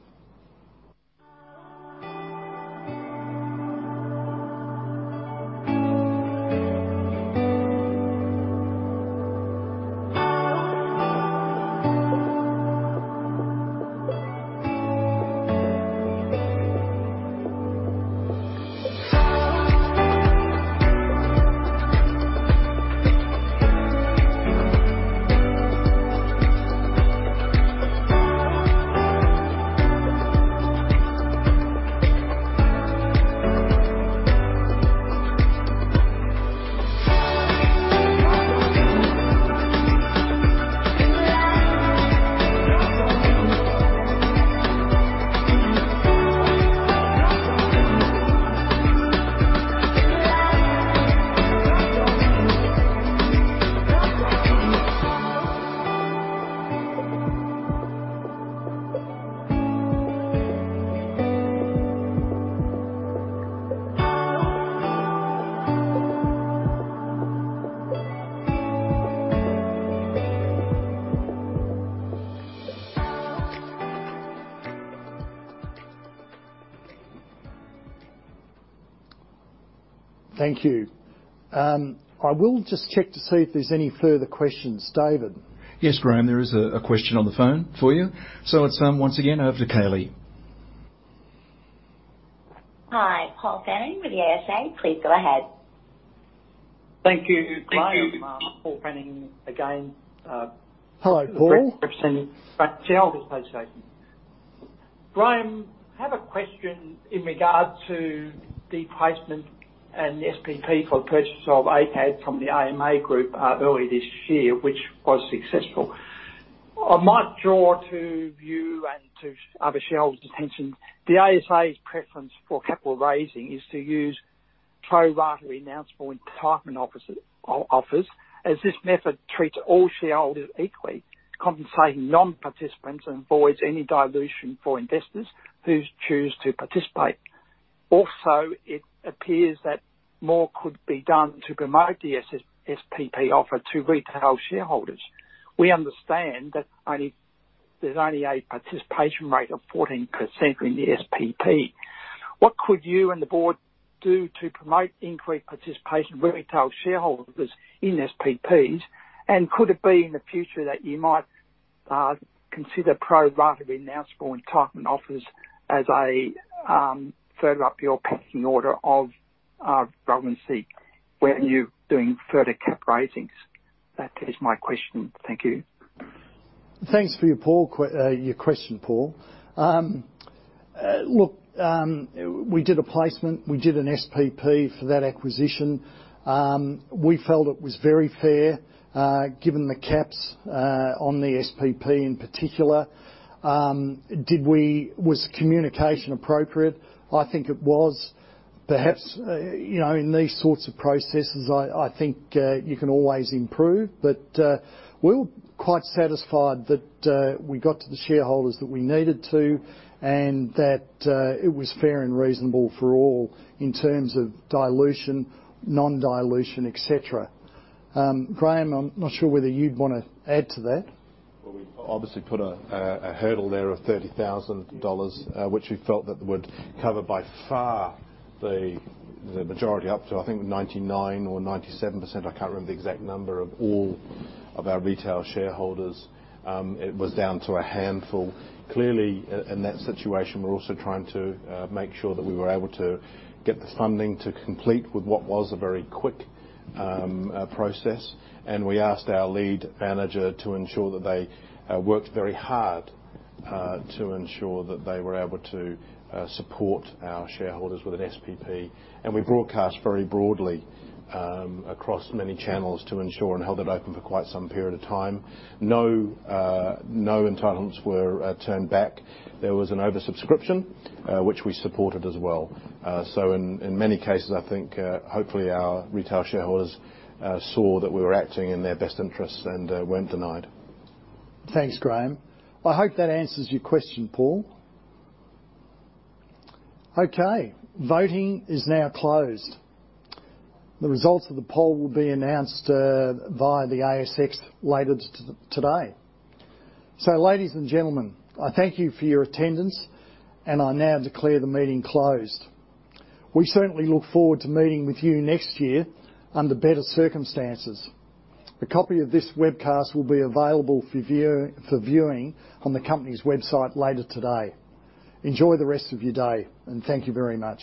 Thank you. I will just check to see if there's any further questions. David? Yes, Graeme, there is a question on the phone for you. It's once again, over to Kaylee. Hi, Paul Fanning with the ASA. Please go ahead. Thank you. Thank you. Graeme, Paul Fanning again. Hello, Paul. Representing Shareholders Association. Graeme, I have a question in regard to the placement and SPP for the purchase of ACAD from the AMA Group, earlier this year, which was successful. I might draw to you and to other shareholders' attention, the ASA's preference for capital raising is to use Pro rata renounceable entitlement offers as this method treats all shareholders equally, compensating non-participants and avoids any dilution for investors who choose to participate. Also, it appears that more could be done to promote the SPP offer to retail shareholders. We understand that there's only a participation rate of 14% in the SPP. What could you and the Board do to promote increased participation of retail shareholders in SPPs? Could it be in the future that you might consider pro rata renounceable entitlement offers as a further up your pecking order of relevancy when you're doing further cap raisings? That is my question. Thank you. Thanks for your question, Paul. Look, we did a placement, we did an SPP for that acquisition. We felt it was very fair, given the caps on the SPP in particular. Did we, was the communication appropriate? I think it was. Perhaps, you know, in these sorts of processes, I think you can always improve. We were quite satisfied that we got to the shareholders that we needed to, and that it was fair and reasonable for all in terms of dilution, non-dilution, et cetera. Graeme, I'm not sure whether you'd wanna add to that. Well, we obviously put a hurdle there of 30,000 dollars, which we felt that would cover by far the majority, up to, I think, 99% or 97%, I can't remember the exact number, of all of our retail shareholders. It was down to a handful. Clearly, in that situation, we're also trying to make sure that we were able to get the funding to complete what was a very quick process. We asked our lead manager to ensure that they worked very hard to ensure that they were able to support our shareholders with an SPP. We broadcast very broadly across many channels to ensure and held it open for quite some period of time. No entitlements were turned back. There was an oversubscription, which we supported as well. In many cases, I think, hopefully our retail shareholders saw that we were acting in their best interests and weren't denied. Thanks, Graeme. I hope that answers your question, Paul. Okay. Voting is now closed. The results of the poll will be announced via the ASX later today. Ladies and gentlemen, I thank you for your attendance, and I now declare the meeting closed. We certainly look forward to meeting with you next year under better circumstances. A copy of this webcast will be available for viewing on the company's website later today. Enjoy the rest of your day and thank you very much.